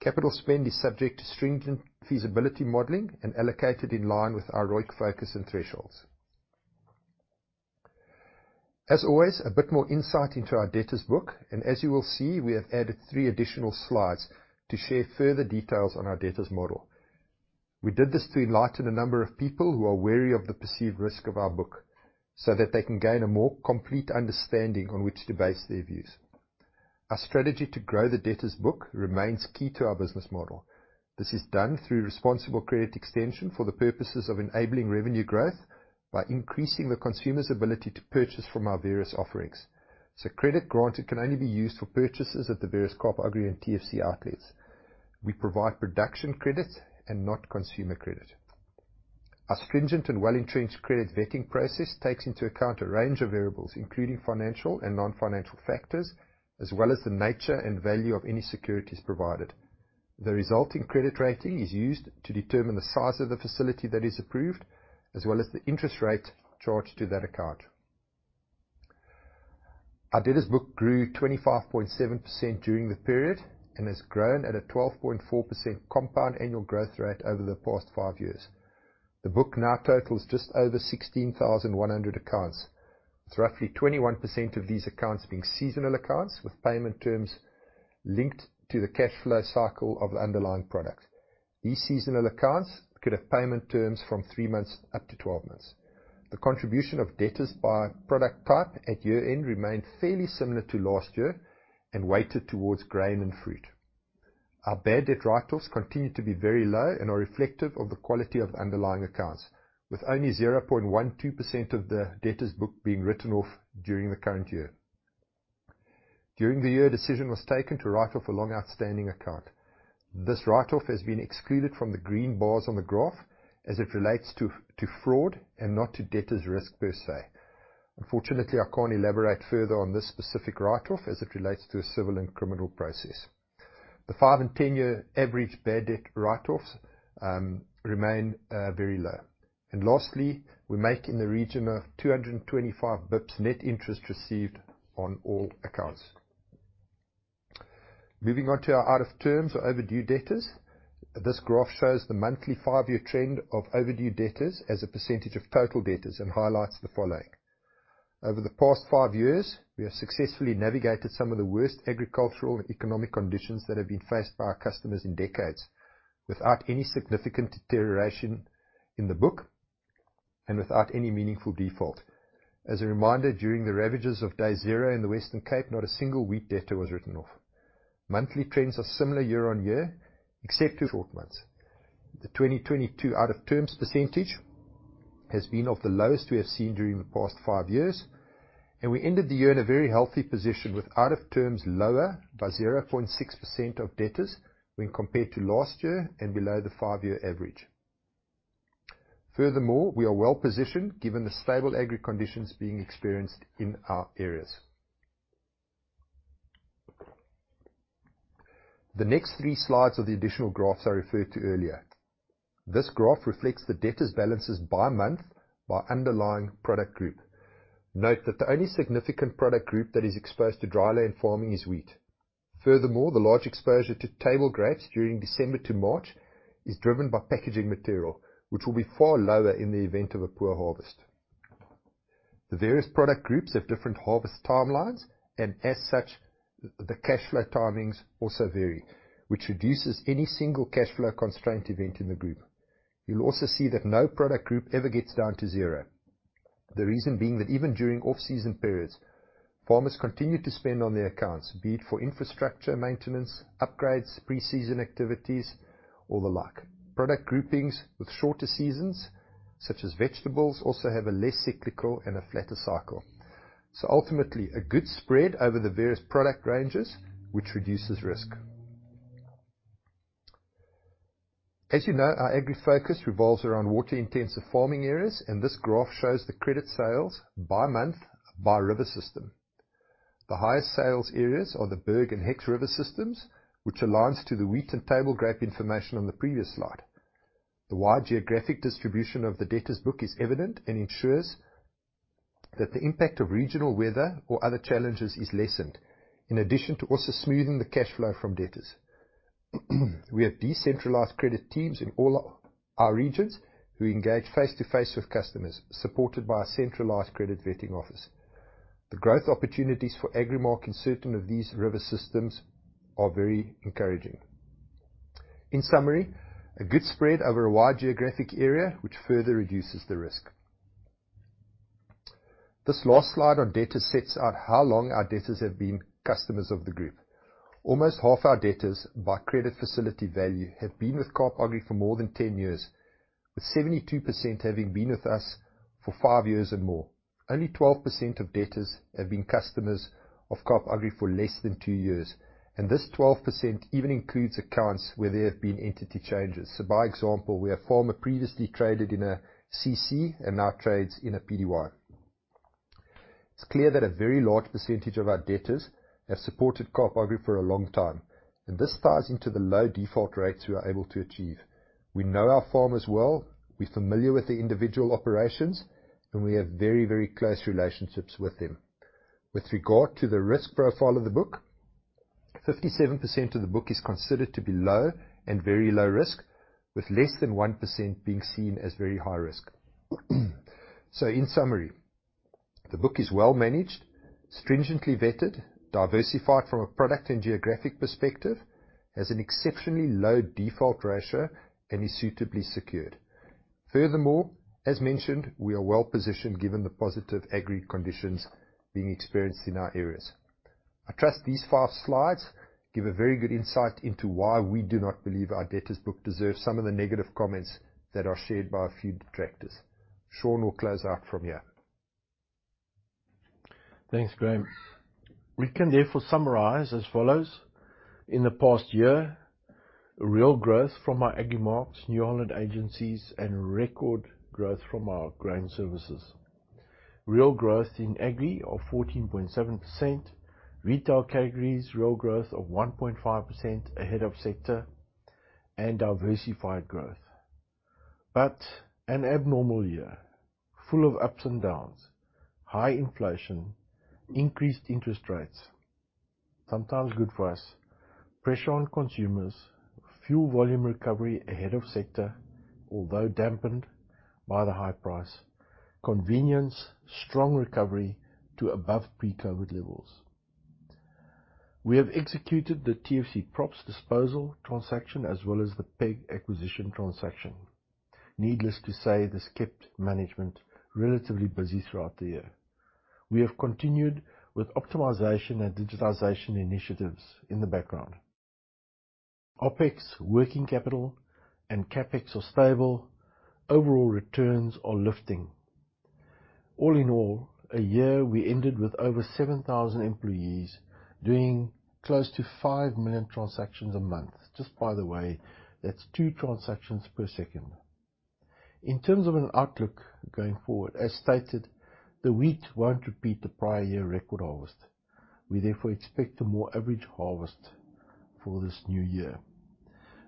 Capital spend is subject to stringent feasibility modeling and allocated in line with our ROIC focus and thresholds. As always, a bit more insight into our debtors book, and as you will see, we have added three additional slides to share further details on our debtors model. We did this to enlighten a number of people who are wary of the perceived risk of our book, so that they can gain a more complete understanding on which to base their views. Our strategy to grow the debtors book remains key to our business model. This is done through responsible credit extension for the purposes of enabling revenue growth by increasing the consumer's ability to purchase from our various offerings. Credit granted can only be used for purchases at the various Kaap Agri and TFC outlets. We provide production credit and not consumer credit. Our stringent and well-entrenched credit vetting process takes into account a range of variables, including financial and non-financial factors, as well as the nature and value of any securities provided. The resulting credit rating is used to determine the size of the facility that is approved, as well as the interest rate charged to that account. Our debtors book grew 25.7% during the period and has grown at a 12.4% compound annual growth rate over the past five years. The book now totals just over 16,100 accounts, with roughly 21% of these accounts being seasonal accounts with payment terms linked to the cash flow cycle of underlying products. These seasonal accounts could have payment terms from three months up to 12 months. The contribution of debtors by product type at year-end remained fairly similar to last year and weighted towards grain and fruit. Our bad debt write-offs continue to be very low and are reflective of the quality of underlying accounts, with only 0.12% of the debtors book being written off during the current year. During the year, a decision was taken to write off a long outstanding account. This write off has been excluded from the green bars on the graph as it relates to fraud and not to debtors risk per se. Unfortunately, I can't elaborate further on this specific write off as it relates to a civil and criminal process. The five and 10-year average bad debt write-offs remain very low. Lastly, we make in the region of 225 basis points net interest received on all accounts. Moving on to our out of terms or overdue debtors. This graph shows the monthly five-year trend of overdue debtors as a % of total debtors and highlights the following. Over the past five years, we have successfully navigated some of the worst agricultural and economic conditions that have been faced by our customers in decades, without any significant deterioration in the book and without any meaningful default. As a reminder, during the ravages of Day Zero in the Western Cape, not a single wheat debtor was written off. Monthly trends are similar year-on-year, except for short months. The 2022 out of terms % has been of the lowest we have seen during the past five years. We ended the year in a very healthy position with out of terms lower by 0.6% of debtors when compared to last year and below the five-year average. We are well-positioned given the stable agri conditions being experienced in our areas. The next three slides are the additional graphs I referred to earlier. This graph reflects the debtors balances by month by underlying product group. Note that the only significant product group that is exposed to dry land farming is wheat. The large exposure to table grapes during December to March is driven by packaging material, which will be far lower in the event of a poor harvest. The various product groups have different harvest timelines, and as such, the cash flow timings also vary, which reduces any single cash flow constraint event in the group. You'll also see that no product group ever gets down to zero. The reason being that even during off-season periods, farmers continue to spend on their accounts, be it for infrastructure maintenance, upgrades, pre-season activities, or the like. Product groupings with shorter seasons, such as vegetables, also have a less cyclical and a flatter cycle. Ultimately, a good spread over the various product ranges, which reduces risk. As you know, our agri focus revolves around water-intensive farming areas, and this graph shows the credit sales by month by river system. The highest sales areas are the Berg and Hex River systems, which aligns to the wheat and table grape information on the previous slide. The wide geographic distribution of the debtors book is evident and ensures that the impact of regional weather or other challenges is lessened, in addition to also smoothing the cash flow from debtors. We have decentralized credit teams in all our regions who engage face-to-face with customers, supported by a centralized credit vetting office. The growth opportunities for Agrimark in certain of these river systems are very encouraging. In summary, a good spread over a wide geographic area, which further reduces the risk. This last slide on debtors sets out how long our debtors have been customers of the group. Almost half our debtors by credit facility value have been with Kaap Agri for more than 10 years, with 72% having been with us for five years and more. Only 12% of debtors have been customers of Kaap Agri for less than two years. This 12% even includes accounts where there have been entity changes. By example, where a farmer previously traded in a CC and now trades in a Pty. It's clear that a very large percentage of our debtors have supported Kaap Agri for a long time. This ties into the low default rates we are able to achieve. We know our farmers well, we're familiar with the individual operations, and we have very, very close relationships with them. With regard to the risk profile of the book, 57% of the book is considered to be low and very low risk, with less than 1% being seen as very high risk. In summary, the book is well managed, stringently vetted, diversified from a product and geographic perspective, has an exceptionally low default ratio, and is suitably secured. Furthermore, as mentioned, we are well-positioned given the positive agri conditions being experienced in our areas. I trust these five slides give a very good insight into why we do not believe our debtors book deserves some of the negative comments that are shared by a few detractors. Sean will close out from here. Thanks, Graeme. We can therefore summarize as follows. In the past year, real growth from our Agrimark, New Holland agencies, and record growth from our grain services. Real growth in agri of 14.7%. Retail categories, real growth of 1.5% ahead of sector, and diversified growth. An abnormal year, full of ups and downs, high inflation, increased interest rates, sometimes good price, pressure on consumers, fuel volume recovery ahead of sector, although dampened by the high price. Convenience, strong recovery to above pre-COVID levels. We have executed the TFC properties disposal transaction as well as the PEG acquisition transaction. Needless to say, this kept management relatively busy throughout the year. We have continued with optimization and digitization initiatives in the background. OpEx, working capital and CapEx are stable. Overall returns are lifting. All in all, a year we ended with over 7,000 employees doing close to 5 million transactions a month. Just by the way, that's two transactions per second. In terms of an outlook going forward, as stated, the wheat won't repeat the prior year record harvest. We therefore expect a more average harvest for this new year.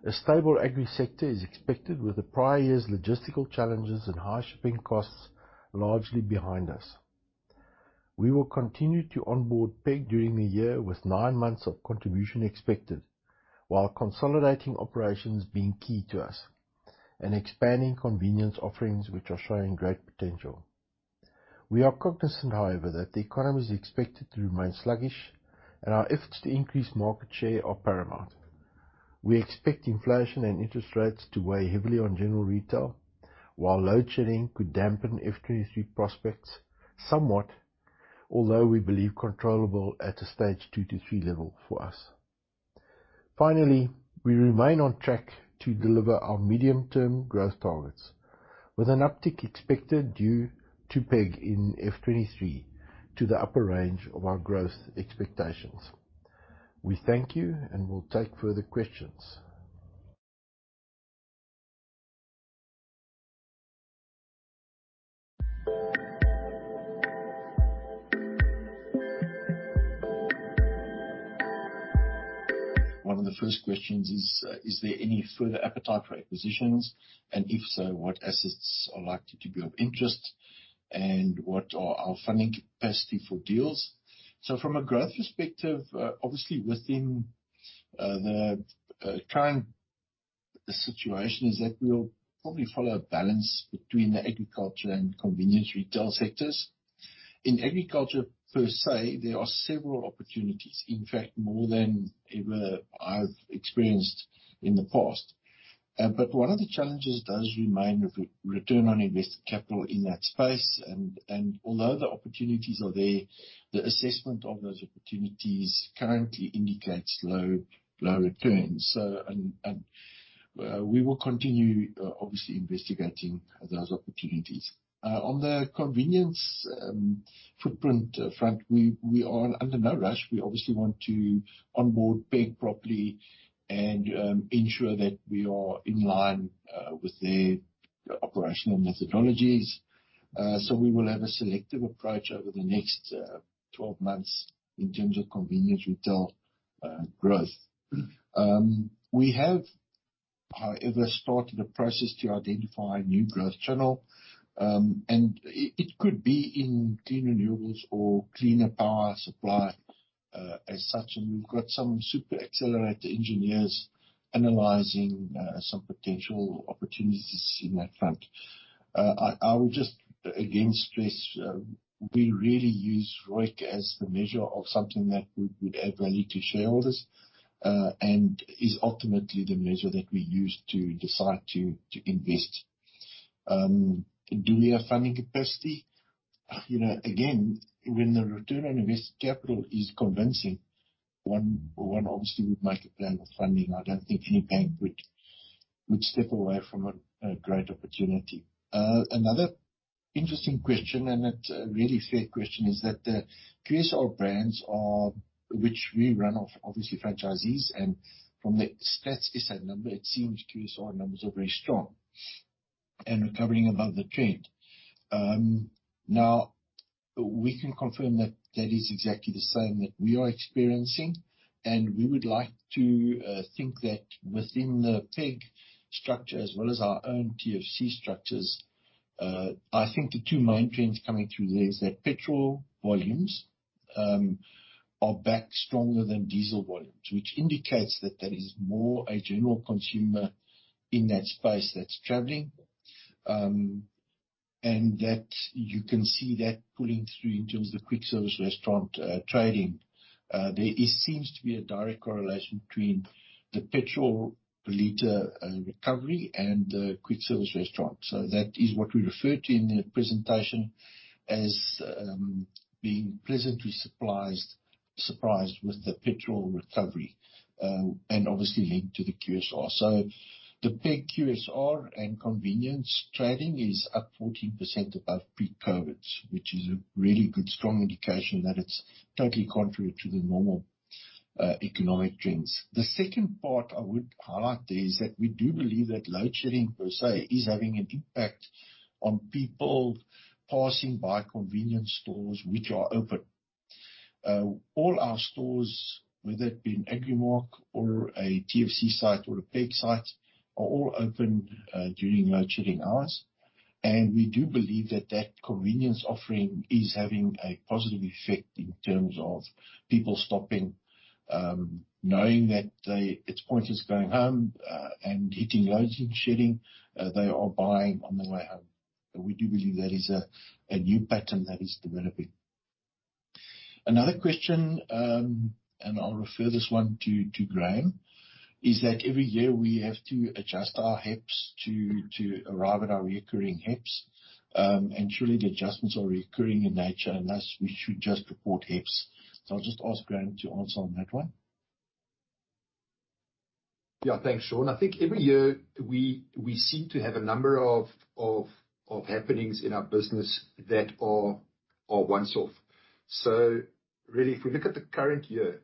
A stable agri sector is expected with the prior year's logistical challenges and high shipping costs largely behind us. We will continue to onboard PEG during the year with nine months of contribution expected, while consolidating operations being key to us and expanding convenience offerings which are showing great potential. We are cognizant, however, that the economy is expected to remain sluggish and our efforts to increase market share are paramount. We expect inflation and interest rates to weigh heavily on general retail, while load shedding could dampen F 2023 prospects somewhat, although we believe controllable at a stage 2 to 3 level for us. Finally, we remain on track to deliver our medium-term growth targets with an uptick expected due to PEG in F23 to the upper range of our growth expectations. We thank you and will take further questions. One of the first questions is there any further appetite for acquisitions? If so, what assets are likely to be of interest and what are our funding capacity for deals? From a growth perspective, obviously within the current situation is that we'll probably follow a balance between the agriculture and convenience retail sectors. In agriculture per se, there are several opportunities, in fact more than ever I've experienced in the past. One of the challenges does remain return on invested capital in that space. Although the opportunities are there, the assessment of those opportunities currently indicates low returns. We will continue obviously investigating those opportunities. On the convenience footprint front, we are under no rush. We obviously want to onboard PEG properly and ensure that we are in line with their operational methodologies. So we will have a selective approach over the next 12 months in terms of convenience retail growth. We have, however, started a process to identify new growth channel, and it could be in clean renewables or cleaner power supply as such. We've got some super accelerator engineers analyzing some potential opportunities in that front. I will just again stress, we really use ROIC as the measure of something that would add value to shareholders, and is ultimately the measure that we use to decide to invest. Do we have funding capacity? Again, when the return on invested capital is convincing, one obviously would make a plan of funding. I don't think any bank would step away from a great opportunity. Another interesting question, and it's a really fair question, is that the QSR brands are, which we run off obviously franchisees and from the Stats SA number it seems QSR numbers are very strong and recovering above the trend. Now we can confirm that that is exactly the same that we are experiencing and we would like to think that within the PEG structure as well as our own TFC structures, I think the two main trends coming through there is that petrol volumes are back stronger than diesel volumes, which indicates that there is more a general consumer in that space that's traveling. That you can see that pulling through in terms of quick service restaurant trading. There, it seems to be a direct correlation between the petrol per liter recovery and the quick service restaurant. That is what we refer to in the presentation as being pleasantly surprised with the petrol recovery and obviously linked to the QSR. The PEG QSR and convenience trading is up 14% above pre-COVID, which is a really good strong indication that it's totally contrary to the normal economic trends. The second part I would highlight is that we do believe that load shedding per se is having an impact on people passing by convenience stores which are open. All our stores, whether it be an Agrimark or a TFC site or a PEG site, are all open during load shedding hours. We do believe that that convenience offering is having a positive effect in terms of people stopping, knowing that it's pointless going home, and hitting loadshedding. They are buying on the way home. We do believe that is a new pattern that is developing. Another question, I'll refer this one to Graham, is that every year we have to adjust our HEPS to arrive at our recurring HEPS. Surely the adjustments are recurring in nature, and thus we should just report HEPS. I'll just ask Graeme to answer on that one. Thanks, Sean. I think every year we seem to have a number of happenings in our business that are once off. Really if we look at the current year,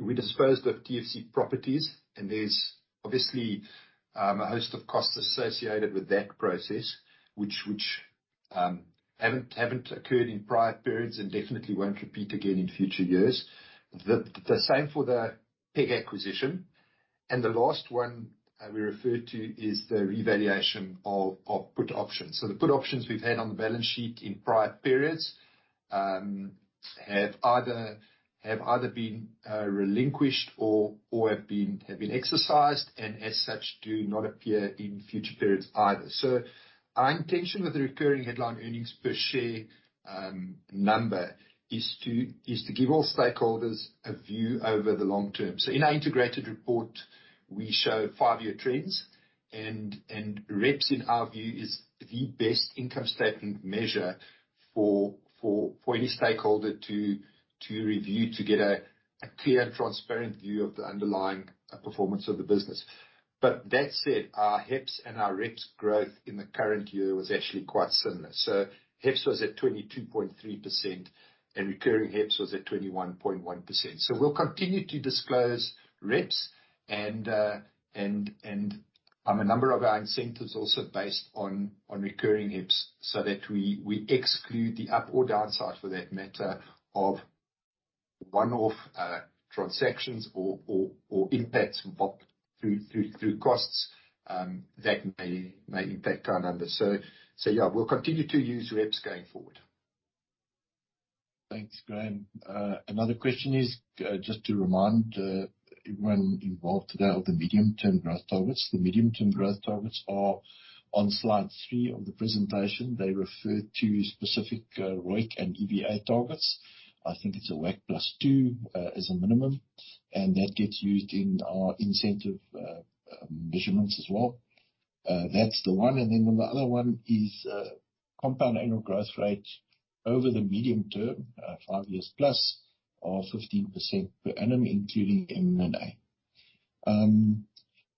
we disposed of TFC properties and there's obviously a host of costs associated with that process which haven't occurred in prior periods and definitely won't repeat again in future years. The same for the PEG acquisition. The last one we referred to is the revaluation of put options. The put options we've had on the balance sheet in prior periods have either been relinquished or have been exercised, and as such do not appear in future periods either. Our intention with the recurring headline earnings per share number is to give all stakeholders a view over the long term. In our integrated report, we show five-year trends, and REPS in our view is the best income statement measure for any stakeholder to review to get a clear and transparent view of the underlying performance of the business. That said, our HEPS and our REPS growth in the current year was actually quite similar. HEPS was at 22.3% and recurring HEPS was at 21.1%. We'll continue to disclose REPS and a number of our incentives also based on recurring HEPS so that we exclude the up or down size for that matter of one-off transactions or impacts from OpEx through costs that may impact our numbers. Yeah, we'll continue to use REPS going forward. Thanks, Graeme. Another question is, just to remind everyone involved today of the medium term growth targets. The medium term growth targets are on slide three of the presentation. They refer to specific ROIC and EVA targets. I think it's a ROIC plus 2, as a minimum, and that gets used in our incentive measurements as well. That's the one. On the other one is, compound annual growth rate over the medium term, five years plus or 15% per annum, including M&A.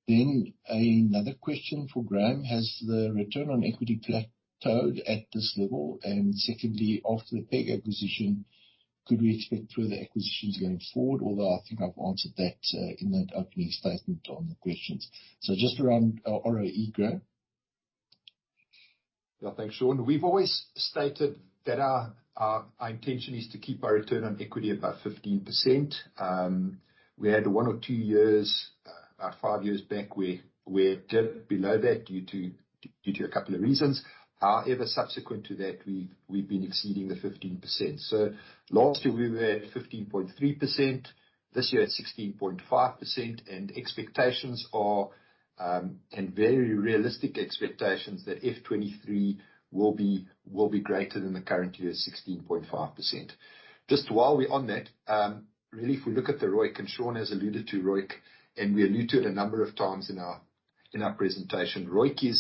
Then another question for Graeme: Has the return on equity plateaued at this level? Secondly, after the PEG acquisition, could we expect further acquisitions going forward? Although I think I've answered that, in the opening statement on the questions. Just around our ROE growth. Thanks, Sean. We've always stated that our intention is to keep our ROE above 15%. We had one or two years, about five years back, we dipped below that due to a couple of reasons. Subsequent to that, we've been exceeding the 15%. Last year we were at 15.3%, this year at 16.5%. Expectations are very realistic expectations that F 2023 will be greater than the current year 16.5%. Just while we're on that, really if we look at the ROIC, Sean has alluded to ROIC, we alluded a number of times in our presentation. ROIC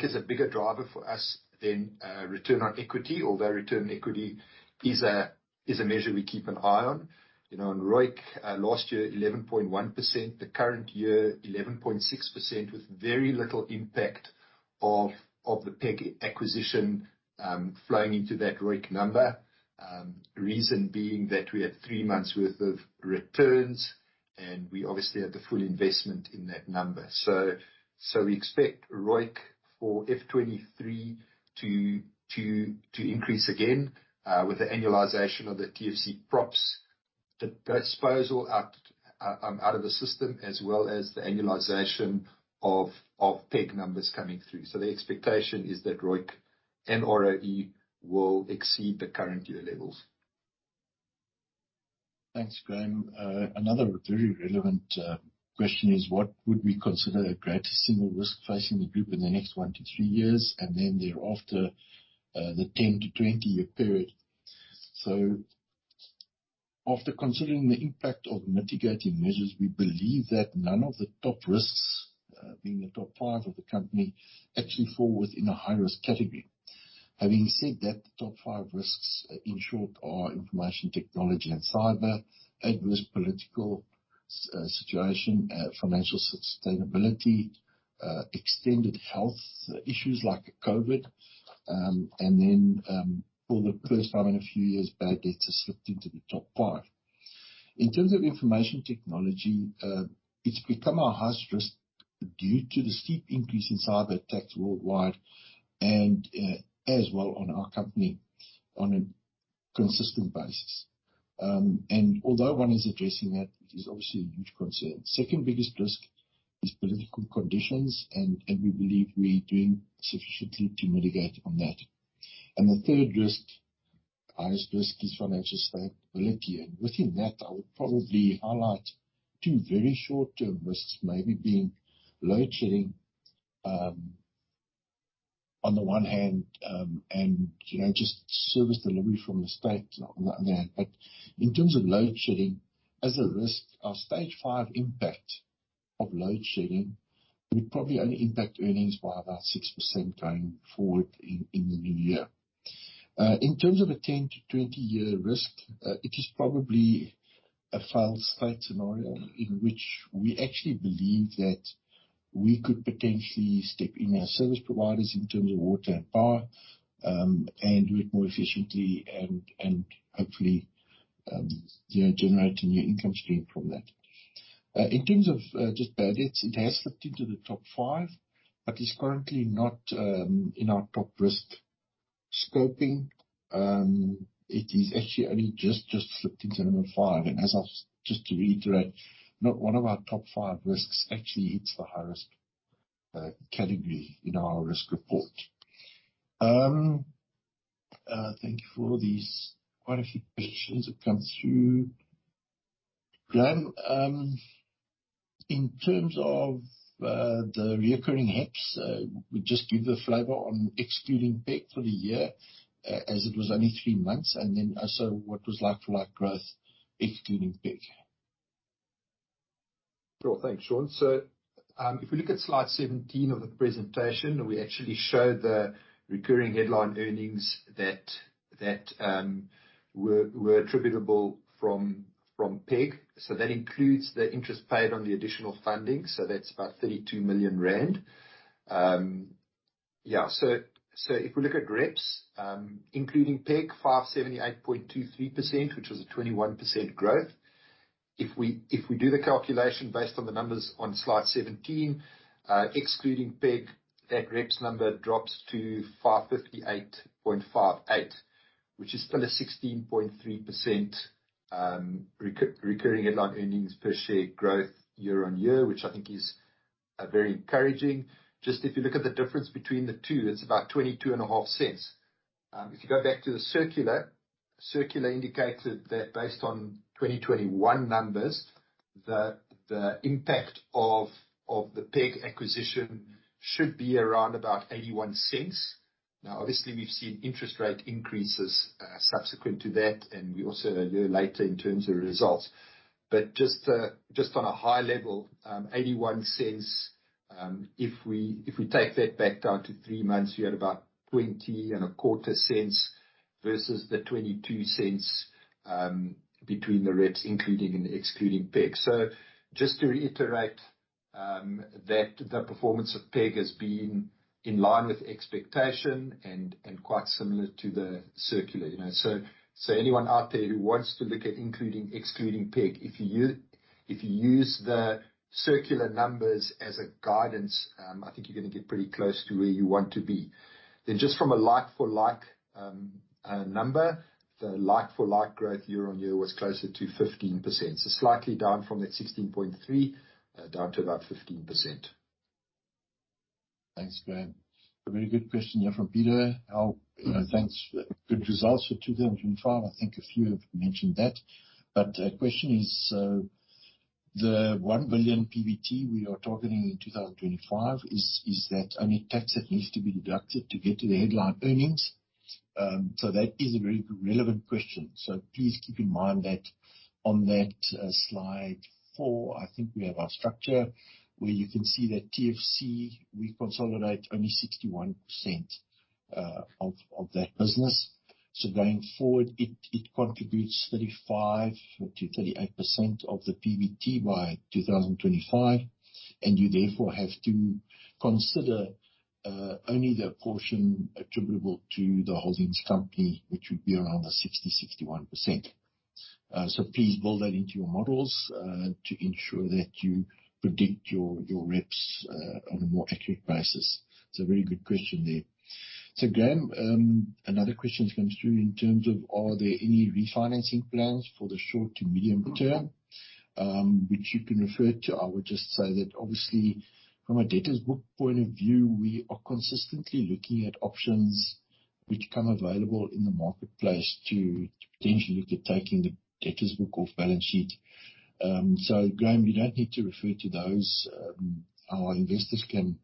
is a bigger driver for us than return on equity, although return on equity is a measure we keep an eye on. You know, on ROIC, last year 11.1%, the current year 11.6%, with very little impact of the PEG acquisition flowing into that ROIC number. Reason being that we had 3 months worth of returns and we obviously had the full investment in that number. We expect ROIC for F23 to increase again with the annualization of the TFC props, the disposal out of the system as well as the annualization of PEG numbers coming through. The expectation is that ROIC and ROE will exceed the current year levels. Thanks, Graeme. Another very relevant question is what would we consider a greatest single risk facing the Group in the next one to three years, and then thereafter, the 10-20 year period. After considering the impact of mitigating measures, we believe that none of the top five risks, being the top five of the company, actually fall within a high risk category. Having said that, the top five risks, in short, are information technology and cyber, adverse political situation, financial sustainability, extended health issues like COVID. And then, for the first time in a few years, bad debts have slipped into the top five. In terms of information technology, it's become our highest risk due to the steep increase in cyberattacks worldwide and as well on our company on a consistent basis. Although one is addressing that, it is obviously a huge concern. Second biggest risk is political conditions, and we believe we're doing sufficiently to mitigate on that. The third risk, highest risk, is financial stability. Within that, I would probably highlight two very short-term risks, maybe being load shedding on the one hand, and, you know, just service delivery from the state on the other hand. In terms of load shedding as a risk, our stage five impact of load shedding would probably only impact earnings by about 6% going forward in the new year. In terms of a 10-20 year risk, it is probably a failed state scenario in which we actually believe that we could potentially step in as service providers in terms of water and power, and do it more efficiently and hopefully, you know, generate a new income stream from that. In terms of just bad debts, it has slipped into the top five, but is currently not in our top risk scoping. It is actually only just slipped into number five. Just to reiterate, not one of our top five risks actually hits the high risk category in our risk report. Thank you for these quite a few questions that come through. Graeme, in terms of the reoccurring HEPS, would just give the flavor on excluding PEG for the year, as it was only three months, and then also what was like for like growth excluding PEG? Thanks, Sean. If we look at slide 17 of the presentation, we actually show the recurring headline earnings that were attributable from PEG. That includes the interest paid on the additional funding. That's about 32 million rand. If we look at REPS, including PEG, 578.23%, which was a 21% growth. If we do the calculation based on the numbers on slide 17, excluding PEG, that REPS number drops to 558.58%, which is still a 16.3% recurring headline earnings per share growth year-on-year, which I think is very encouraging. Just if you look at the difference between the two, it's about 0.225. If you go back to the circular indicated that based on 2021 numbers, the impact of the PEG acquisition should be around about 0.81. Obviously, we've seen interest rate increases subsequent to that, and we also heard 1 year later in terms of results. Just on a high level, 0.81, if we take that back down to three months, you're at about 0.2025 versus the 0.22, between the REPS including and excluding PEG. Just to reiterate, that the performance of PEG has been in line with expectation and quite similar to the circular, you know. Anyone out there who wants to look at including excluding PEG, if you use the circular numbers as a guidance, I think you're gonna get pretty close to where you want to be. Just from a like for like number, the like for like growth year-on-year was closer to 15%. Slightly down from that 16.3 down to about 15%. Thanks, Graeme. A very good question here from Peter. How, you know, thanks for the good results for 2005. I think a few have mentioned that. The question is, the 1 billion PBT we are targeting in 2025, is that only tax that needs to be deducted to get to the headline earnings? That is a very relevant question. Please keep in mind that on that slide four, I think we have our structure, where you can see that TFC, we consolidate only 61% of that business. Going forward, it contributes 35%-38% of the PBT by 2025. You therefore have to consider only the portion attributable to the holdings company, which would be around the 60%-61%. Please build that into your models to ensure that you predict your REPS on a more accurate basis. It's a very good question there. Graham, another question comes through in terms of are there any refinancing plans for the short to medium term which you can refer to? I would just say that obviously from a debtors book point of view, we are consistently looking at options which come available in the marketplace to potentially look at taking the debtors book off balance sheet. Graham, you don't need to refer to those. Our investors can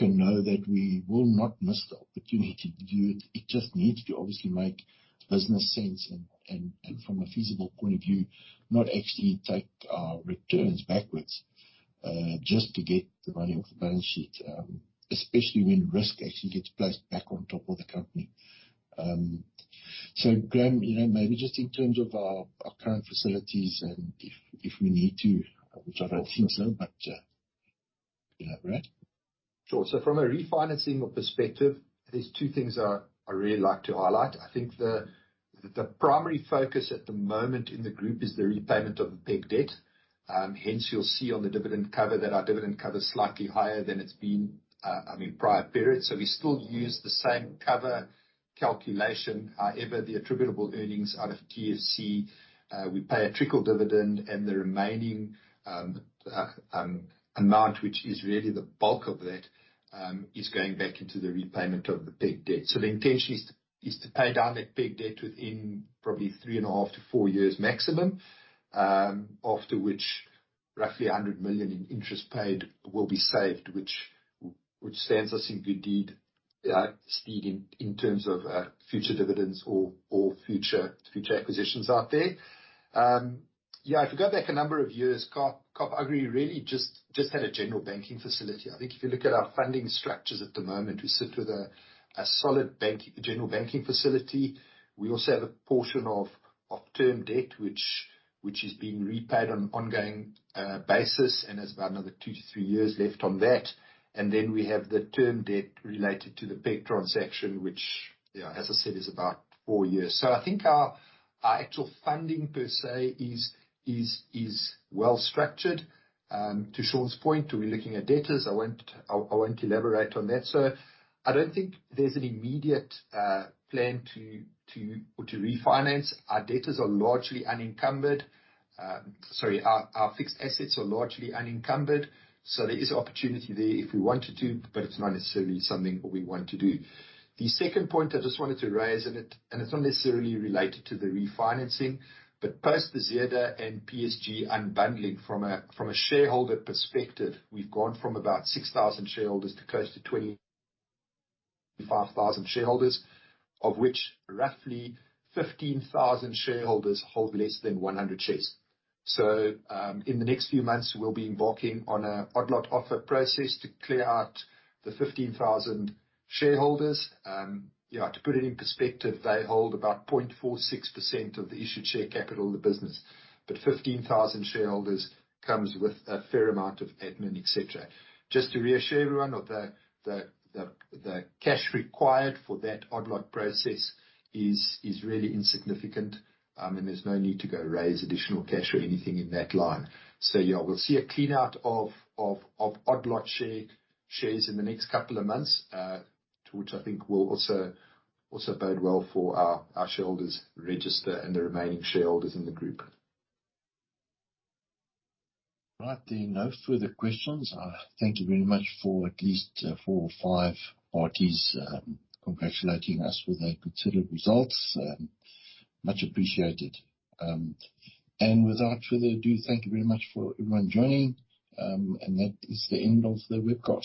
know that we will not miss the opportunity to do it. It just needs to obviously make business sense and from a feasible point of view, not actually take our returns backwards, just to get the money off the balance sheet, especially when risk actually gets placed back on top of the company. Graeme, you know, maybe just in terms of our current facilities and if we need to, which I don't think so, but Yeah, right. Sure. From a refinancing perspective, there's two things I really like to highlight. I think the primary focus at the moment in the group is the repayment of the PEG debt. Hence you'll see on the dividend cover that our dividend cover is slightly higher than it's been, I mean, prior periods. We still use the same cover calculation. However, the attributable earnings out of GSC, we pay a trickle dividend and the remaining amount, which is really the bulk of that, is going back into the repayment of the PEG debt. The intention is to pay down that PEG debt within probably three and a half to 4 years maximum, after which roughly 100 million in interest paid will be saved, which stands us in good deed speed in terms of future dividends or future acquisitions out there. If you go back a number of years, Kaap Agri really just had a general banking facility. I think if you look at our funding structures at the moment, we sit with a solid bank, general banking facility. We also have a portion of term debt which is being repaid on ongoing basis and has about another 2-3 years left on that. We have the term debt related to the PEG transaction, which, yeah, as I said, is about four years. I think our actual funding per se is well structured. To Sean's point, we're looking at debtors. I won't elaborate on that. I don't think there's an immediate plan to refinance. Our debtors are largely unencumbered. Sorry, our fixed assets are largely unencumbered, so there is opportunity there if we wanted to, but it's not necessarily something we want to do. The second point I just wanted to raise, and it's not necessarily related to the refinancing, but post the Zeder and PSG unbundling from a shareholder perspective, we've gone from about 6,000 shareholders to close to 25,000 shareholders, of which roughly 15,000 shareholders hold less than 100 shares. In the next few months, we'll be embarking on an odd lot offer process to clear out the 15,000 shareholders. To put it in perspective, they hold about 0.46% of the issued share capital of the business. 15,000 shareholders comes with a fair amount of admin, etc. Just to reassure everyone of the cash required for that odd lot process is really insignificant, and there's no need to go raise additional cash or anything in that line. Yeah, we'll see a clean out of odd lot shares in the next couple of months, to which I think will also bode well for our shareholders register and the remaining shareholders in the group. Right then. No further questions. Thank you very much for at least four or five parties congratulating us with their considered results. Much appreciated. Without further ado, thank you very much for everyone joining. That is the end of the webcast.